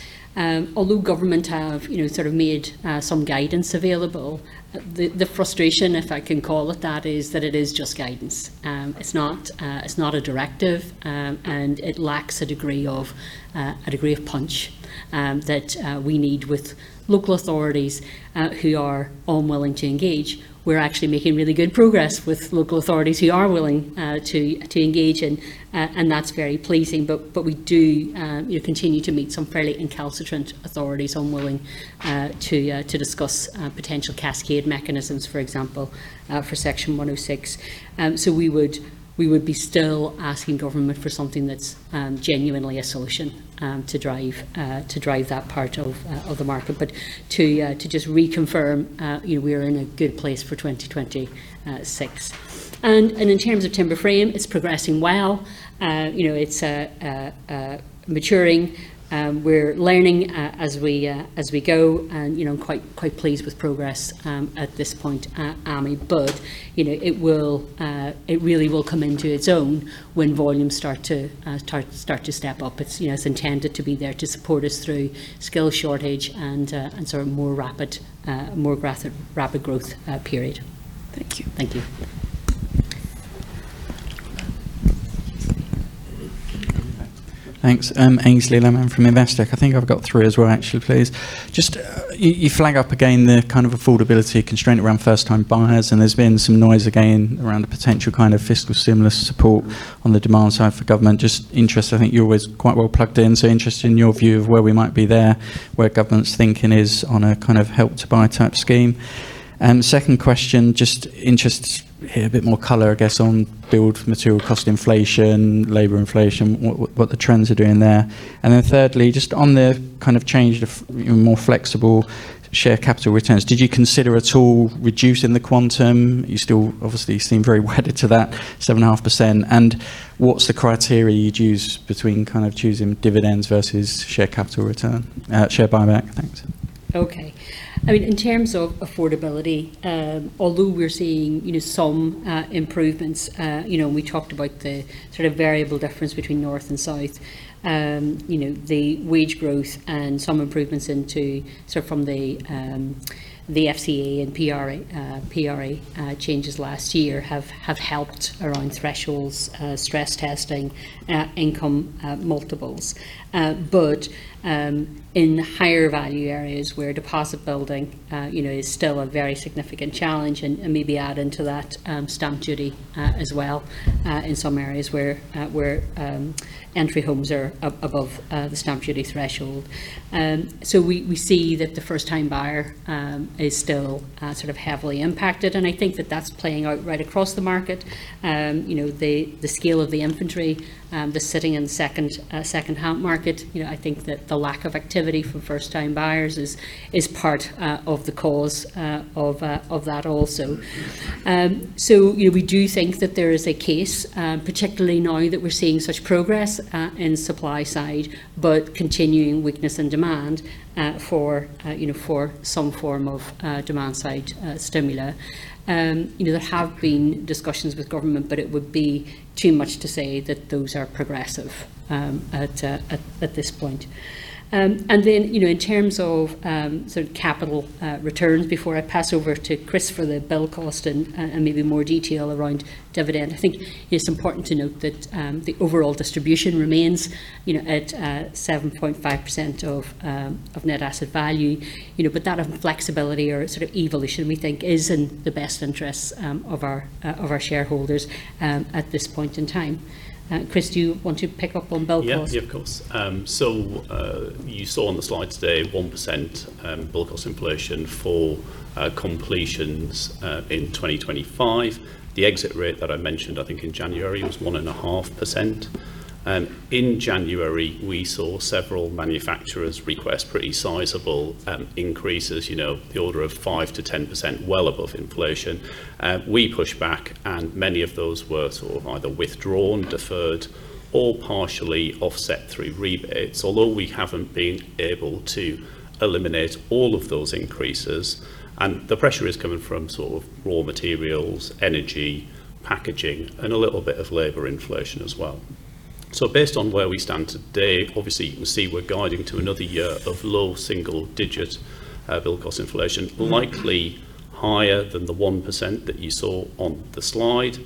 although government have, you know, sort of made some guidance available, the frustration, if I can call it that, is that it is just guidance. It's not a directive, and it lacks a degree of punch that we need with local authorities who are unwilling to engage. We're actually making really good progress with local authorities who are willing to engage and that's very pleasing. We do, you know, continue to meet some fairly recalcitrant authorities unwilling to discuss potential cascade mechanisms, for example, for Section 106. We would be still asking government for something that's genuinely a solution to drive that part of the market. To just reconfirm, you know, we are in a good place for 2026. In terms of timber frame, it's progressing well. You know, it's maturing. We're learning as we go and, you know, quite pleased with progress at this point, Ami. You know, it will, it really will come into its own when volumes start to step up. It's, you know, it's intended to be there to support us through skill shortage and sort of more rapid growth period. Thank you. Thank you. Thanks. I'm Aynsley Lammin from Investec. I think I've got three as well actually, please. Just, you flag up again the kind of affordability constraint around first-time buyers, and there's been some noise again around the potential kind of fiscal stimulus support on the demand side for government. Just interested, I think you're always quite well plugged in, so interested in your view of where we might be there, where government's thinking is on a kind of help to buy type scheme. Second question, just interested to hear a bit more color, I guess, on build material cost inflation, labor inflation, what the trends are doing there. Thirdly, just on the kind of change of even more flexible share capital returns, did you consider at all reducing the quantum? You still obviously seem very wedded to that 7.5%. What's the criteria you'd use between kind of choosing dividends versus share buyback? Thanks. I mean, in terms of affordability, although we're seeing, you know, some improvements, you know, and we talked about the sort of variable difference between north and south, you know, the wage growth and some improvements into sort of from the FCA and PRA changes last year have helped around thresholds, stress testing, income multiples. In higher value areas where deposit building, you know, is still a very significant challenge and maybe add into that stamp duty as well, in some areas where entry homes are above the stamp duty threshold. We see that the first time buyer is still sort of heavily impacted, and I think that that's playing out right across the market. You know, the scale of the inventory, the sitting in second-hand market. You know, I think that the lack of activity from first time buyers is part of the cause of that also. You know, we do think that there is a case, particularly now that we're seeing such progress in supply side, but continuing weakness in demand for, you know, for some form of demand side stimuli. You know, there have been discussions with government, but it would be too much to say that those are progressive at this point. You know, in terms of sort of capital returns, before I pass over to Chris for the build cost and maybe more detail around dividend, I think it's important to note that the overall distribution remains, you know, at 7.5% of net asset value. You know, that flexibility or sort of evolution, we think is in the best interests of our shareholders at this point in time. Chris, do you want to pick up on build cost? Of course. You saw on the slide today 1% build cost inflation for completions in 2025. The exit rate that I mentioned, I think in January, was 1.5%. In January, we saw several manufacturers request pretty sizable increases, you know, the order of 5%-10%, well above inflation. We pushed back and many of those were sort of either withdrawn, deferred, or partially offset through rebates. Although we haven't been able to eliminate all of those increases, and the pressure is coming from sort of raw materials, energy, packaging, and a little bit of labor inflation as well. Based on where we stand today, obviously you can see we're guiding to another year of low single-digit build cost inflation, likely higher than the 1% that you saw on the slide.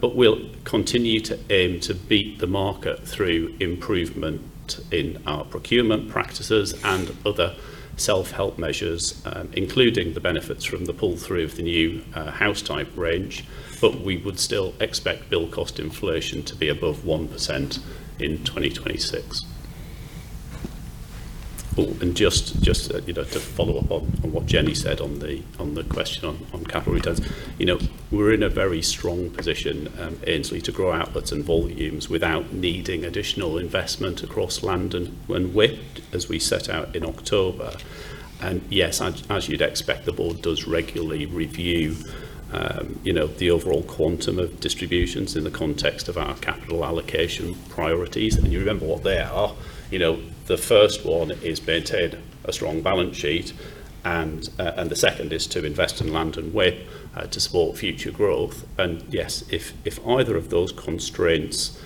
We'll continue to aim to beat the market through improvement in our procurement practices and other self-help measures, including the benefits from the pull through of the new house type range. We would still expect build cost inflation to be above 1% in 2026. Just, you know, to follow up on what Jennie said on the question on capital returns. You know, we're in a very strong position, Aynsley, to grow outputs and volumes without needing additional investment across land and WIP as we set out in October. Yes, as you'd expect, the board does regularly review, you know, the overall quantum of distributions in the context of our capital allocation priorities. You remember what they are. You know, the first one is maintain a strong balance sheet and the second is to invest in land and WIP to support future growth. Yes, if either of those constraints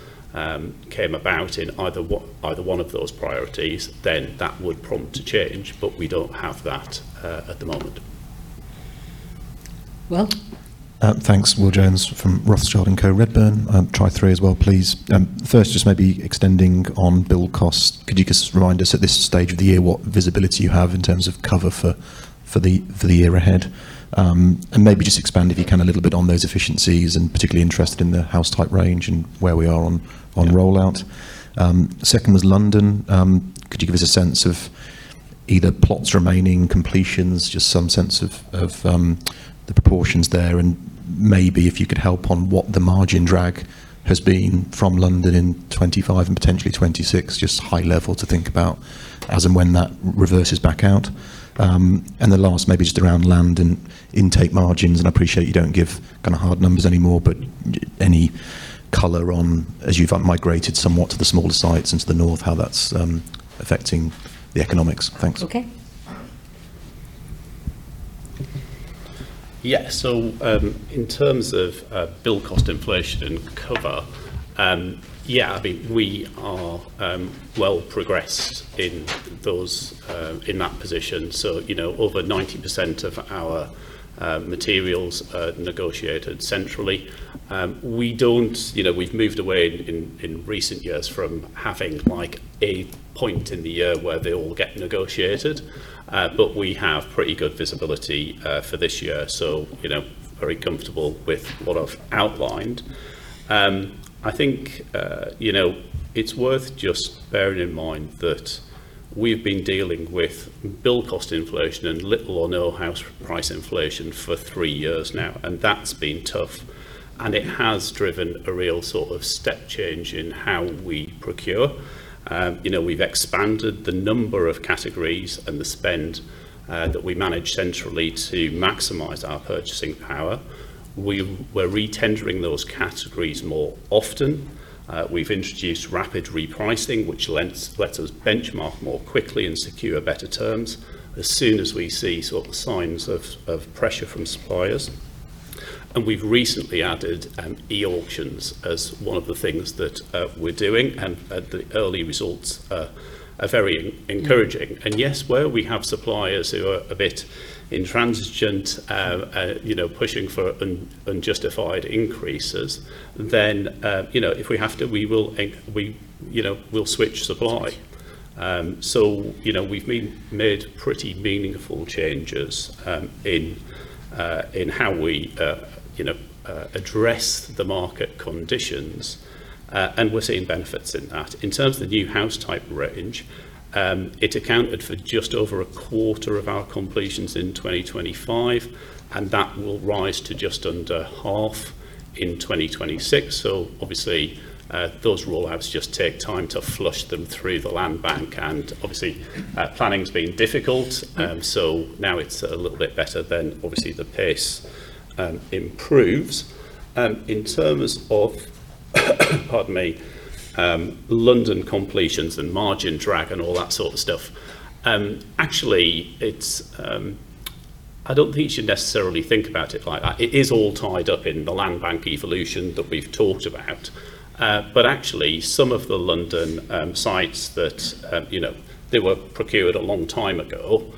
came about in either one of those priorities, then that would prompt a change. We don't have that at the moment. Will? Thanks. Will Jones from Rothschild & Co Redburn. I'll try three as well, please. First, just maybe extending on build cost. Could you just remind us at this stage of the year what visibility you have in terms of cover for the year ahead? Maybe just expand, if you can, a little bit on those efficiencies, and particularly interested in the house type range and where we are on rollout. Second was London. Could you give us a sense of either plots remaining, completions, just some sense of the proportions there? Maybe if you could help on what the margin drag has been from London in 2025 and potentially 2026. Just high level to think about as and when that reverses back out. The last maybe just around land and intake margins. I appreciate you don't give kind of hard numbers anymore, but any color on as you've, migrated somewhat to the smaller sites into the North, how that's, affecting the economics. Thanks. Okay. Yeah. In terms of build cost inflation and cover, I mean, we are well progressed in those in that position. You know, over 90% of our materials are negotiated centrally. You know, we've moved away in recent years from having, like, a point in the year where they all get negotiated. We have pretty good visibility for this year. You know, very comfortable with what I've outlined. I think, you know, it's worth just bearing in mind that we've been dealing with build cost inflation and little or no house price inflation for three years now, and that's been tough. It has driven a real sort of step change in how we procure. You know, we've expanded the number of categories and the spend that we manage centrally to maximize our purchasing power. We're re-tendering those categories more often. We've introduced rapid repricing, which lets us benchmark more quickly and secure better terms as soon as we see sort of signs of pressure from suppliers. We've recently added e-auctions as one of the things that we're doing, and the early results are very encouraging. Yes, where we have suppliers who are a bit intransigent, you know, pushing for unjustified increases, then, you know, if we have to, we will switch supply. You know, we've made pretty meaningful changes in how we, you know, address the market conditions, and we're seeing benefits in that. In terms of the new house type range, it accounted for just over a quarter of our completions in 2025. That will rise to just under half in 2026. Obviously, those rollouts just take time to flush them through the land bank. Obviously, planning's been difficult. Now it's a little bit better than obviously the pace improves. In terms of, pardon me, London completions and margin drag and all that sort of stuff, actually it's I don't think you should necessarily think about it like that. It is all tied up in the land bank evolution that we've talked about. Actually some of the London sites that, you know, they were procured a long time ago.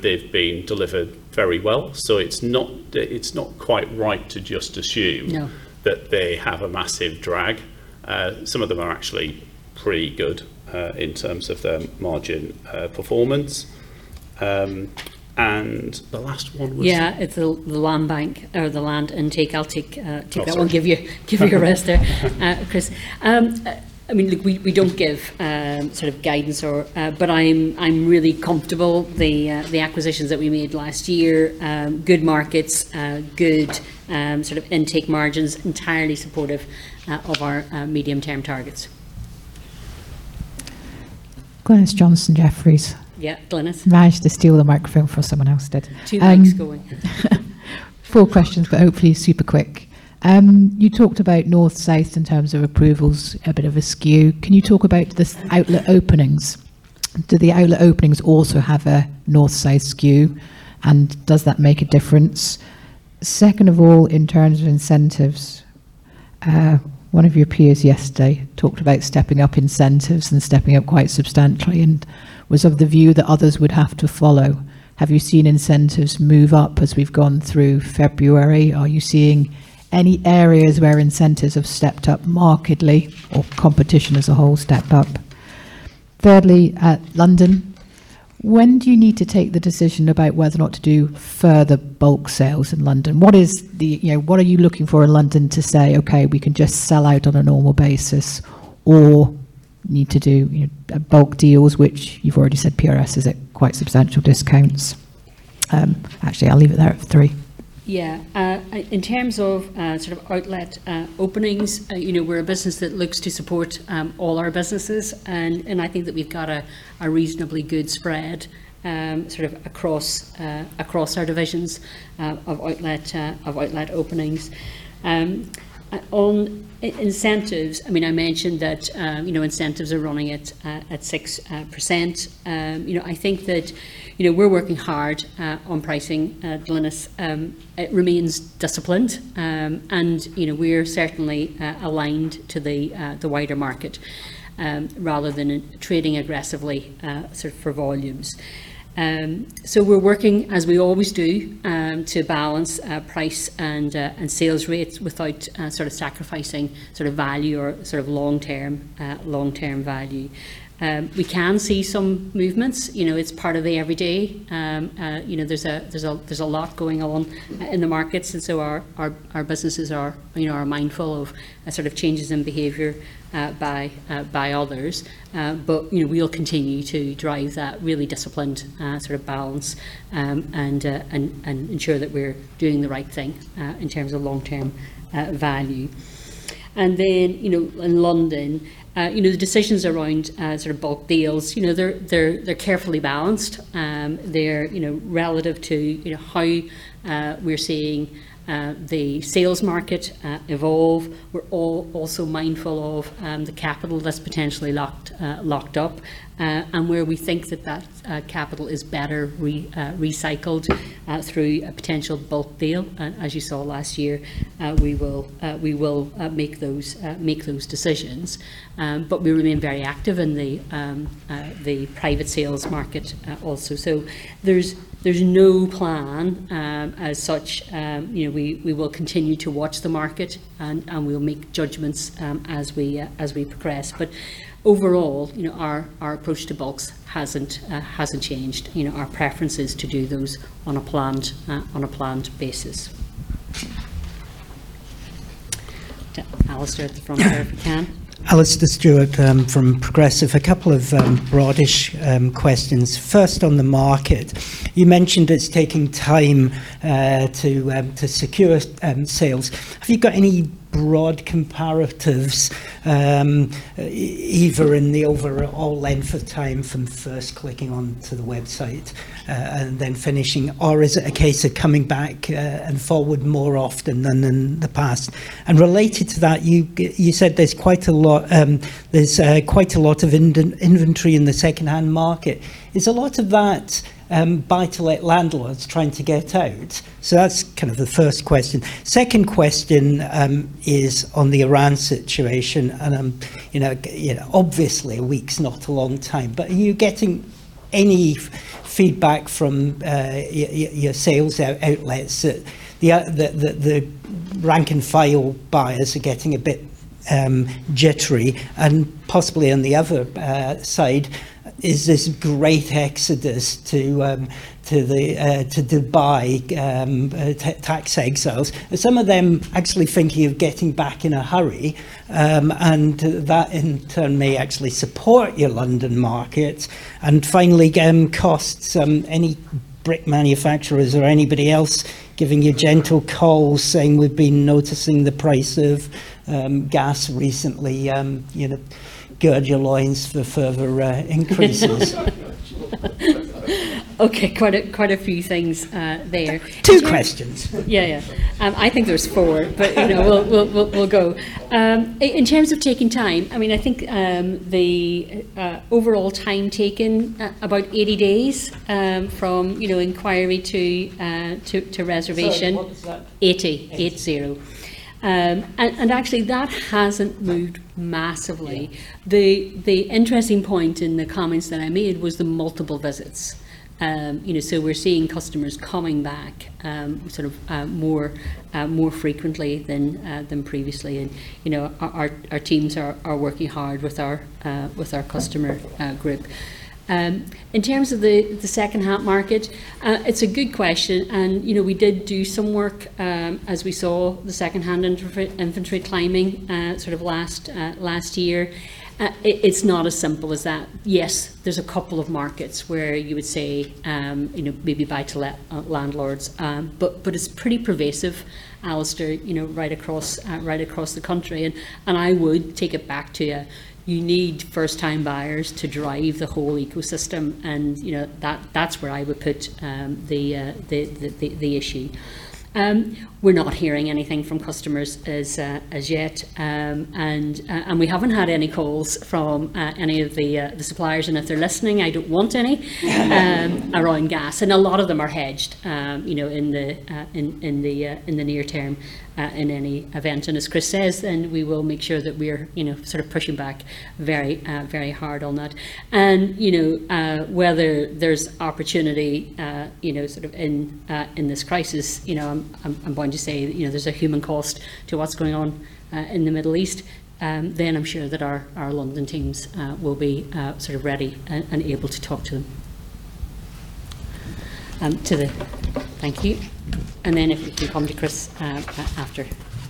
They've been delivered very well. It's not quite right to just assume- No ...that they have a massive drag. Some of them are actually pretty good, in terms of their margin, performance. Yeah, it's the land bank or the land intake. I'll take that one. Oh, sorry. Give you a rest there, Chris. I mean, look, we don't give sort of guidance or. I'm really comfortable the acquisitions that we made last year, good markets, good sort of intake margins, entirely supportive of our medium term targets. Glynis Johnson, Jefferies. Yeah, Glynis. Managed to steal the microphone before someone else did. Two things going. Four questions, but hopefully super quick. You talked about north-south in terms of approvals, a bit of a skew. Can you talk about the outlet openings? Do the outlet openings also have a north-south skew, and does that make a difference? Second of all, in terms of incentives. One of your peers yesterday talked about stepping up incentives and stepping up quite substantially and was of the view that others would have to follow. Have you seen incentives move up as we've gone through February? Are you seeing any areas where incentives have stepped up markedly or competition as a whole stepped up? Thirdly, London, when do you need to take the decision about whether or not to do further bulk sales in London? What is the, you know, what are you looking for in London to say, okay, we can just sell out on a normal basis or need to do, you know, bulk deals, which you've already said PRS is at quite substantial discounts? Actually, I'll leave it there at three. Yeah. In terms of sort of outlet openings, you know, we're a business that looks to support all our businesses and I think that we've got a reasonably good spread sort of across our divisions of outlet openings. On incentives, I mean, I mentioned that, you know, incentives are running at 6%. You know, I think that, you know, we're working hard on pricing discipline. It remains disciplined, and, you know, we're certainly aligned to the wider market rather than trading aggressively sort of for volumes. We're working as we always do to balance price and sales rates without sort of sacrificing sort of value or long-term value. We can see some movements. You know, it's part of the every day. You know, there's a lot going on in the markets our businesses are, you know, are mindful of sort of changes in behavior by others. You know, we'll continue to drive that really disciplined sort of balance and ensure that we're doing the right thing in terms of long-term value. You know, in London, you know, the decisions around sort of bulk deals, you know, they're carefully balanced. They're, you know, relative to, you know, how we're seeing the sales market evolve. We're also mindful of the capital that's potentially locked up. Where we think that that capital is better recycled through a potential bulk deal, as you saw last year, we will make those decisions. We remain very active in the private sales market also. There's no plan as such. You know, we will continue to watch the market and we'll make judgments as we progress. Overall, you know, our approach to bulks hasn't changed. You know, our preference is to do those on a planned basis. Alastair from. Alastair Stewart from Progressive. A couple of broad-ish questions. First, on the market, you mentioned it's taking time to secure sales. Have you got any broad comparatives either in the overall length of time from first clicking onto the website and then finishing, or is it a case of coming back and forward more often than in the past? Related to that, you said there's quite a lot, there's quite a lot of inventory in the second-hand market. Is a lot of that buy-to-let landlords trying to get out? That's kind of the first question. Second question, is on the Iran situation, you know, obviously a week's not a long time, but are you getting any feedback from your sales outlets that the rank and file buyers are getting a bit jittery? Possibly on the other side, is this great exodus to Dubai, tax exiles. Are some of them actually thinking of getting back in a hurry? That in turn may actually support your London market. Finally, GEM costs, any brick manufacturers or anybody else giving you gentle calls saying, 'We've been noticing the price of gas recently, you know, Gird your loins for further increases'? Quite a few things, there. Two questions. Yeah, yeah. I think there's four. You know, we'll go. In terms of taking time, I mean, I think the overall time taken, about 80 days, from, you know, inquiry to reservation. Sorry, what was that? Eighty. Eighty. Eight, zero. Actually that hasn't moved massively. Yeah. The interesting point in the comments that I made was the multiple visits. You know, we're seeing customers coming back, sort of more frequently than previously. You know, our teams are working hard with our with our customer group. In terms of the second-hand market, it's a good question. You know, we did do some work as we saw the second-hand inventory climbing, sort of last year. It's not as simple as that. Yes, there's a couple of markets where you would say, you know, maybe buy-to-let landlords. But it's pretty pervasive, Alastair, you know, right across right across the country. I would take it back to, you need first-time buyers to drive the whole ecosystem and, you know, that's where I would put the issue. We're not hearing anything from customers as yet. We haven't had any calls from any of the suppliers, and if they're listening, I don't want around gas. A lot of them are hedged, you know, in the near term, in any event. As Chris says, then we will make sure that we're, you know, sort of pushing back very hard on that. You know, whether there's opportunity, you know, sort of in this crisis, you know, I'm bound to say that, you know, there's a human cost to what's going on, in the Middle East. I'm sure that our London teams will be sort of ready and able to talk to them. To the... Thank you. If we can come to Chris, after.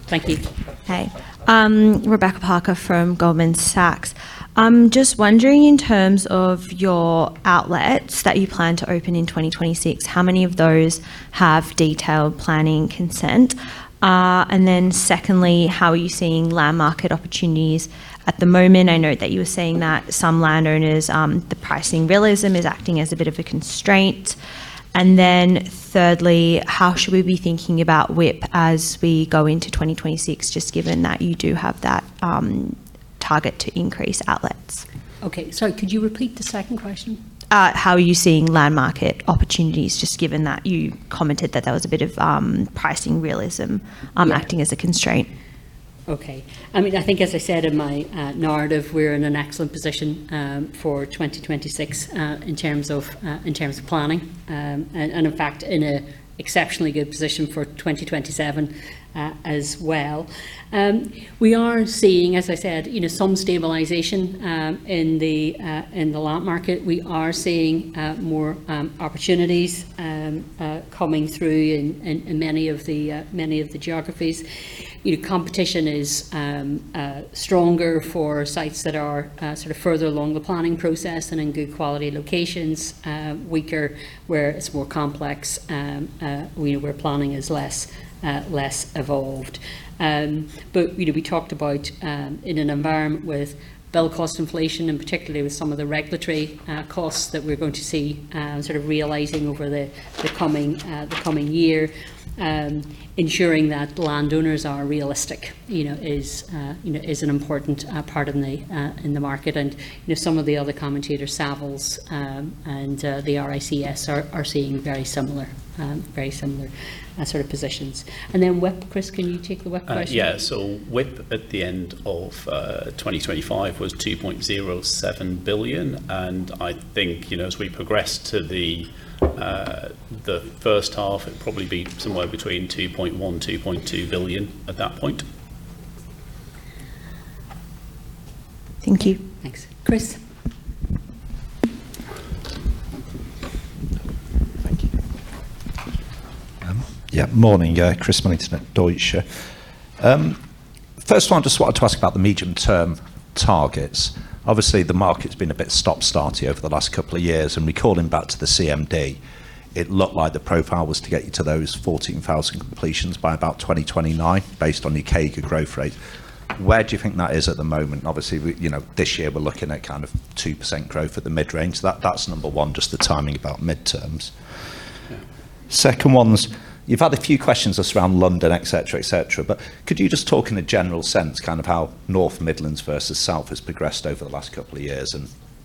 Thank you. Hey. Rebecca Parker from Goldman Sachs. I'm just wondering, in terms of your outlets that you plan to open in 2026, how many of those have detailed planning consent? Secondly, how are you seeing land market opportunities at the moment? I note that you were saying that some landowners, the pricing realism is acting as a bit of a constraint. Thirdly, how should we be thinking about WIP as we go into 2026, just given that you do have that target to increase outlets? Okay. Sorry, could you repeat the second question? How are you seeing land market opportunities, just given that you commented that there was a bit of pricing realism? Yeah... acting as a constraint. Okay. I mean, I think as I said in my narrative, we're in an excellent position for 2026 in terms of planning. In fact, in a exceptionally good position for 2027 as well. We are seeing, as I said, you know, some stabilization in the land market. We are seeing more opportunities coming through in many of the geographies. You know, competition is stronger for sites that are sort of further along the planning process and in good quality locations, weaker where it's more complex where planning is less evolved. You know, we talked about in an environment with build cost inflation, and particularly with some of the regulatory costs that we're going to see sort of realizing over the coming year, ensuring that landowners are realistic, you know, is an important part in the market. You know, some of the other commentators, Savills, and the RICS are seeing very similar sort of positions. WIP, Chris, can you take the WIP question? Yeah. WIP at the end of 2025 was 2.07 billion. I think, you know, as we progress to the first half, it'd probably be somewhere between 2.1 billion-2.2 billion at that point. Thank you. Thanks. Chris? Thank you. Yeah, morning. Chris Millington from Deutsche. First one, just wanted to ask about the medium-term targets. Obviously, the market's been a bit stop-starty over the last couple of years. Recalling back to the CMD, it looked like the profile was to get you to those 14,000 completions by about 2029 based on your CAGR growth rate. Where do you think that is at the moment? Obviously we you know, this year we're looking at kind of 2% growth at the mid-range. That's number one, just the timing about midterms. Yeah. Second one was, you've had a few questions just around London, et cetera, et cetera, but could you just talk in a general sense kind of how North Midlands versus South has progressed over the last couple of years?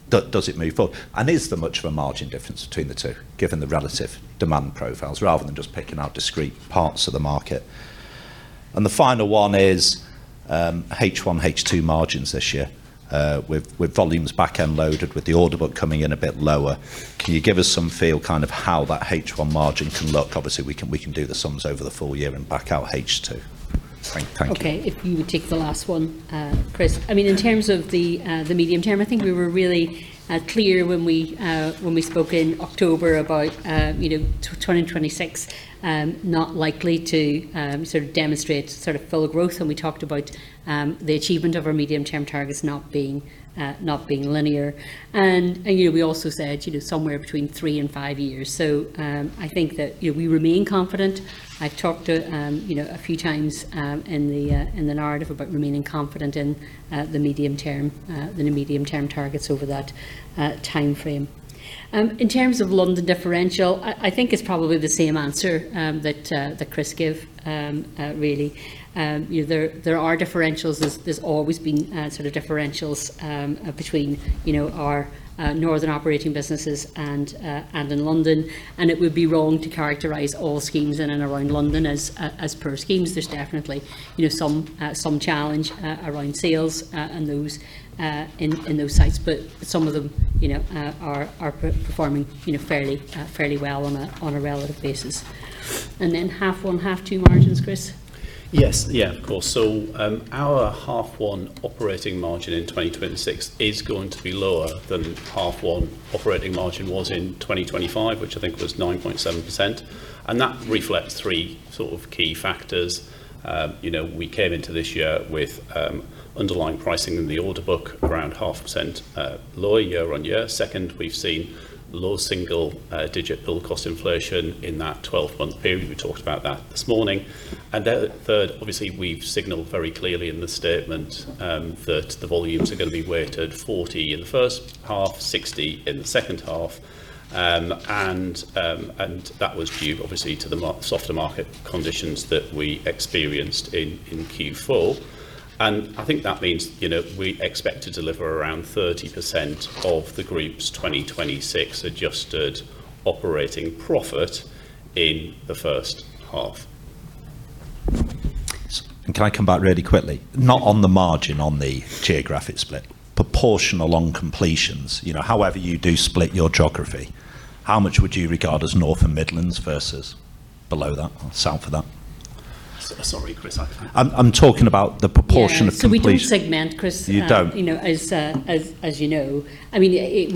Does it move forward? Is there much of a margin difference between the two, given the relative demand profiles, rather than just picking out discrete parts of the market? The final one is H1, H2 margins this year. With volumes back-end loaded, with the order book coming in a bit lower, can you give us some feel kind of how that H1 margin can look? Obviously, we can do the sums over the full year and back out H2. Thank you. Okay. If you would take the last one, Chris. I mean, in terms of the medium term, I think we were really clear when we spoke in October about, you know, 2026, not likely to sort of demonstrate sort of full growth. We talked about the achievement of our medium-term targets not being not being linear. You know, we also said, you know, somewhere between 3 and 5 years. I think that, you know, we remain confident. I've talked, you know, a few times in the narrative about remaining confident in the medium term, the medium-term targets over that timeframe. In terms of London differential, I think it's probably the same answer that Chris gave really. you know, there are differentials. There's always been sort of differentials between, you know, our northern operating businesses and in London. It would be wrong to characterize all schemes in and around London as poor schemes. There's definitely, you know, some challenge around sales and those in those sites, but some of them, you know, are performing, you know, fairly fairly well on a relative basis. Half one, half two margins, Chris? Yes. Yeah, of course. Our Half 1 operating margin in 2026 is going to be lower than Half 1 operating margin was in 2025, which I think was 9.7%, and that reflects 3 sort of key factors. You know, we came into this year with underlying pricing in the order book around 0.5% lower year-on-year. Second, we've seen low single-digit build cost inflation in that 12-month period. We talked about that this morning. Third, obviously, we've signaled very clearly in the statement that the volumes are gonna be weighted 40 in the first half, 60 in the second half. That was due obviously to the softer market conditions that we experienced in Q4. I think that means, you know, we expect to deliver around 30% of the group's 2026 adjusted operating profit in the first half. Can I come back really quickly? Not on the margin, on the geographic split. Proportional on completions. You know, however you do split your geography, how much would you regard as North and Midlands versus below that or south of that? Sorry, Chris, I'm talking about the proportion of completion- Yeah, we don't segment, Chris. You don't. You know, as you know. I mean, it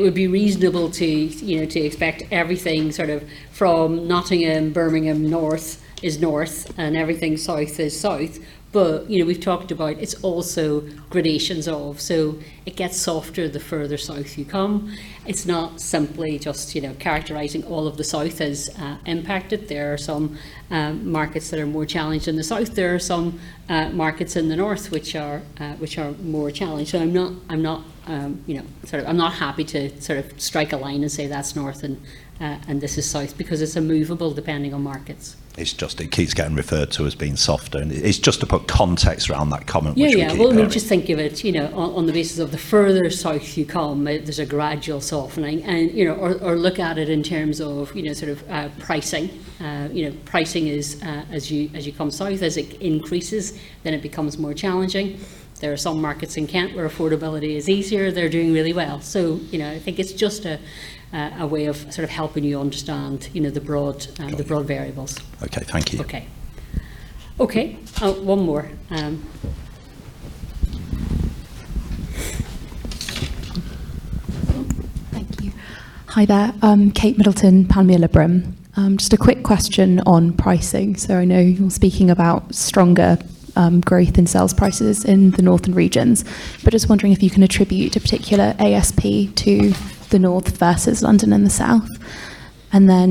would be reasonable to, you know, to expect everything sort of from Nottingham, Birmingham North is North and everything South is South, but, you know, we've talked about it's also gradations of, so it gets softer the further South you come. It's not simply just, you know, characterizing all of the South as impacted. There are some markets that are more challenged in the South. There are some markets in the North, which are more challenged. I'm not, I'm not, you know, I'm not happy to sort of strike a line and say that's North and this is South because it's a moveable depending on markets. It's just it keeps getting referred to as being softer and it's just to put context around that comment which we keep hearing. Yeah. Just think of it, you know, on the basis of the further south you come, there's a gradual softening and, you know, or look at it in terms of, you know, sort of, pricing. You know, pricing is, as you come south, as it increases, then it becomes more challenging. There are some markets in Kent where affordability is easier. They're doing really well. You know, I think it's just a way of sort of helping you understand, you know, the broad- Got it. The broad variables. Okay. Thank you. Okay. Okay. one more. Thank you. Hi there. I'm Kate Middleton, Panmure Liberum. Just a quick question on pricing. I know you're speaking about stronger growth in sales prices in the northern regions, but just wondering if you can attribute a particular ASP to the North versus London and the South.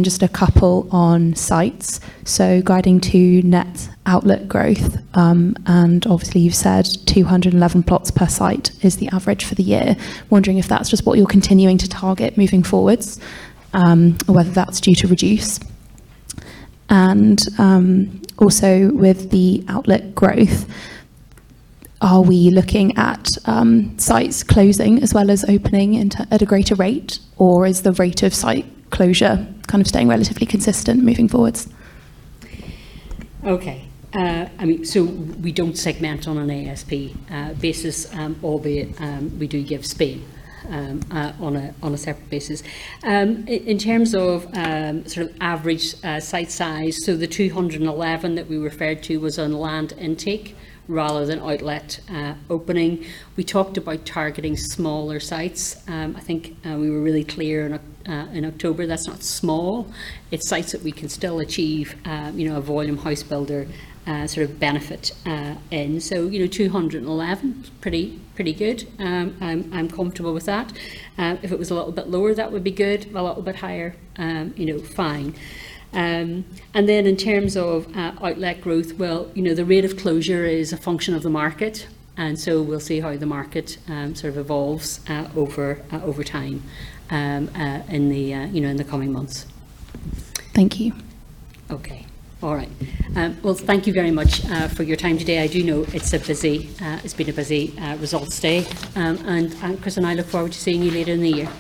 Just a couple on sites. Guiding to net outlet growth, and obviously you've said 211 plots per site is the average for the year. Wondering if that's just what you're continuing to target moving forwards, or whether that's due to reduce. Also with the outlet growth, are we looking at sites closing as well as opening at a greater rate, or is the rate of site closure kind of staying relatively consistent moving forwards? Okay. I mean, we don't segment on an ASP basis, albeit, we do give Spain on a separate basis. In terms of sort of average site size, the 211 that we referred to was on land intake rather than outlet opening. We talked about targeting smaller sites. I think we were really clear in October that's not small. It's sites that we can still achieve, you know, a volume house builder sort of benefit in. You know, 211, pretty good. I'm comfortable with that. If it was a little bit lower, that would be good. A little bit higher, you know, fine. In terms of outlet growth, well, you know, the rate of closure is a function of the market. We'll see how the market sort of evolves over time in the, you know, in the coming months. Thank you. Okay. All right. Well, thank you very much for your time today. I do know it's been a busy results day. Chris and I look forward to seeing you later in the year.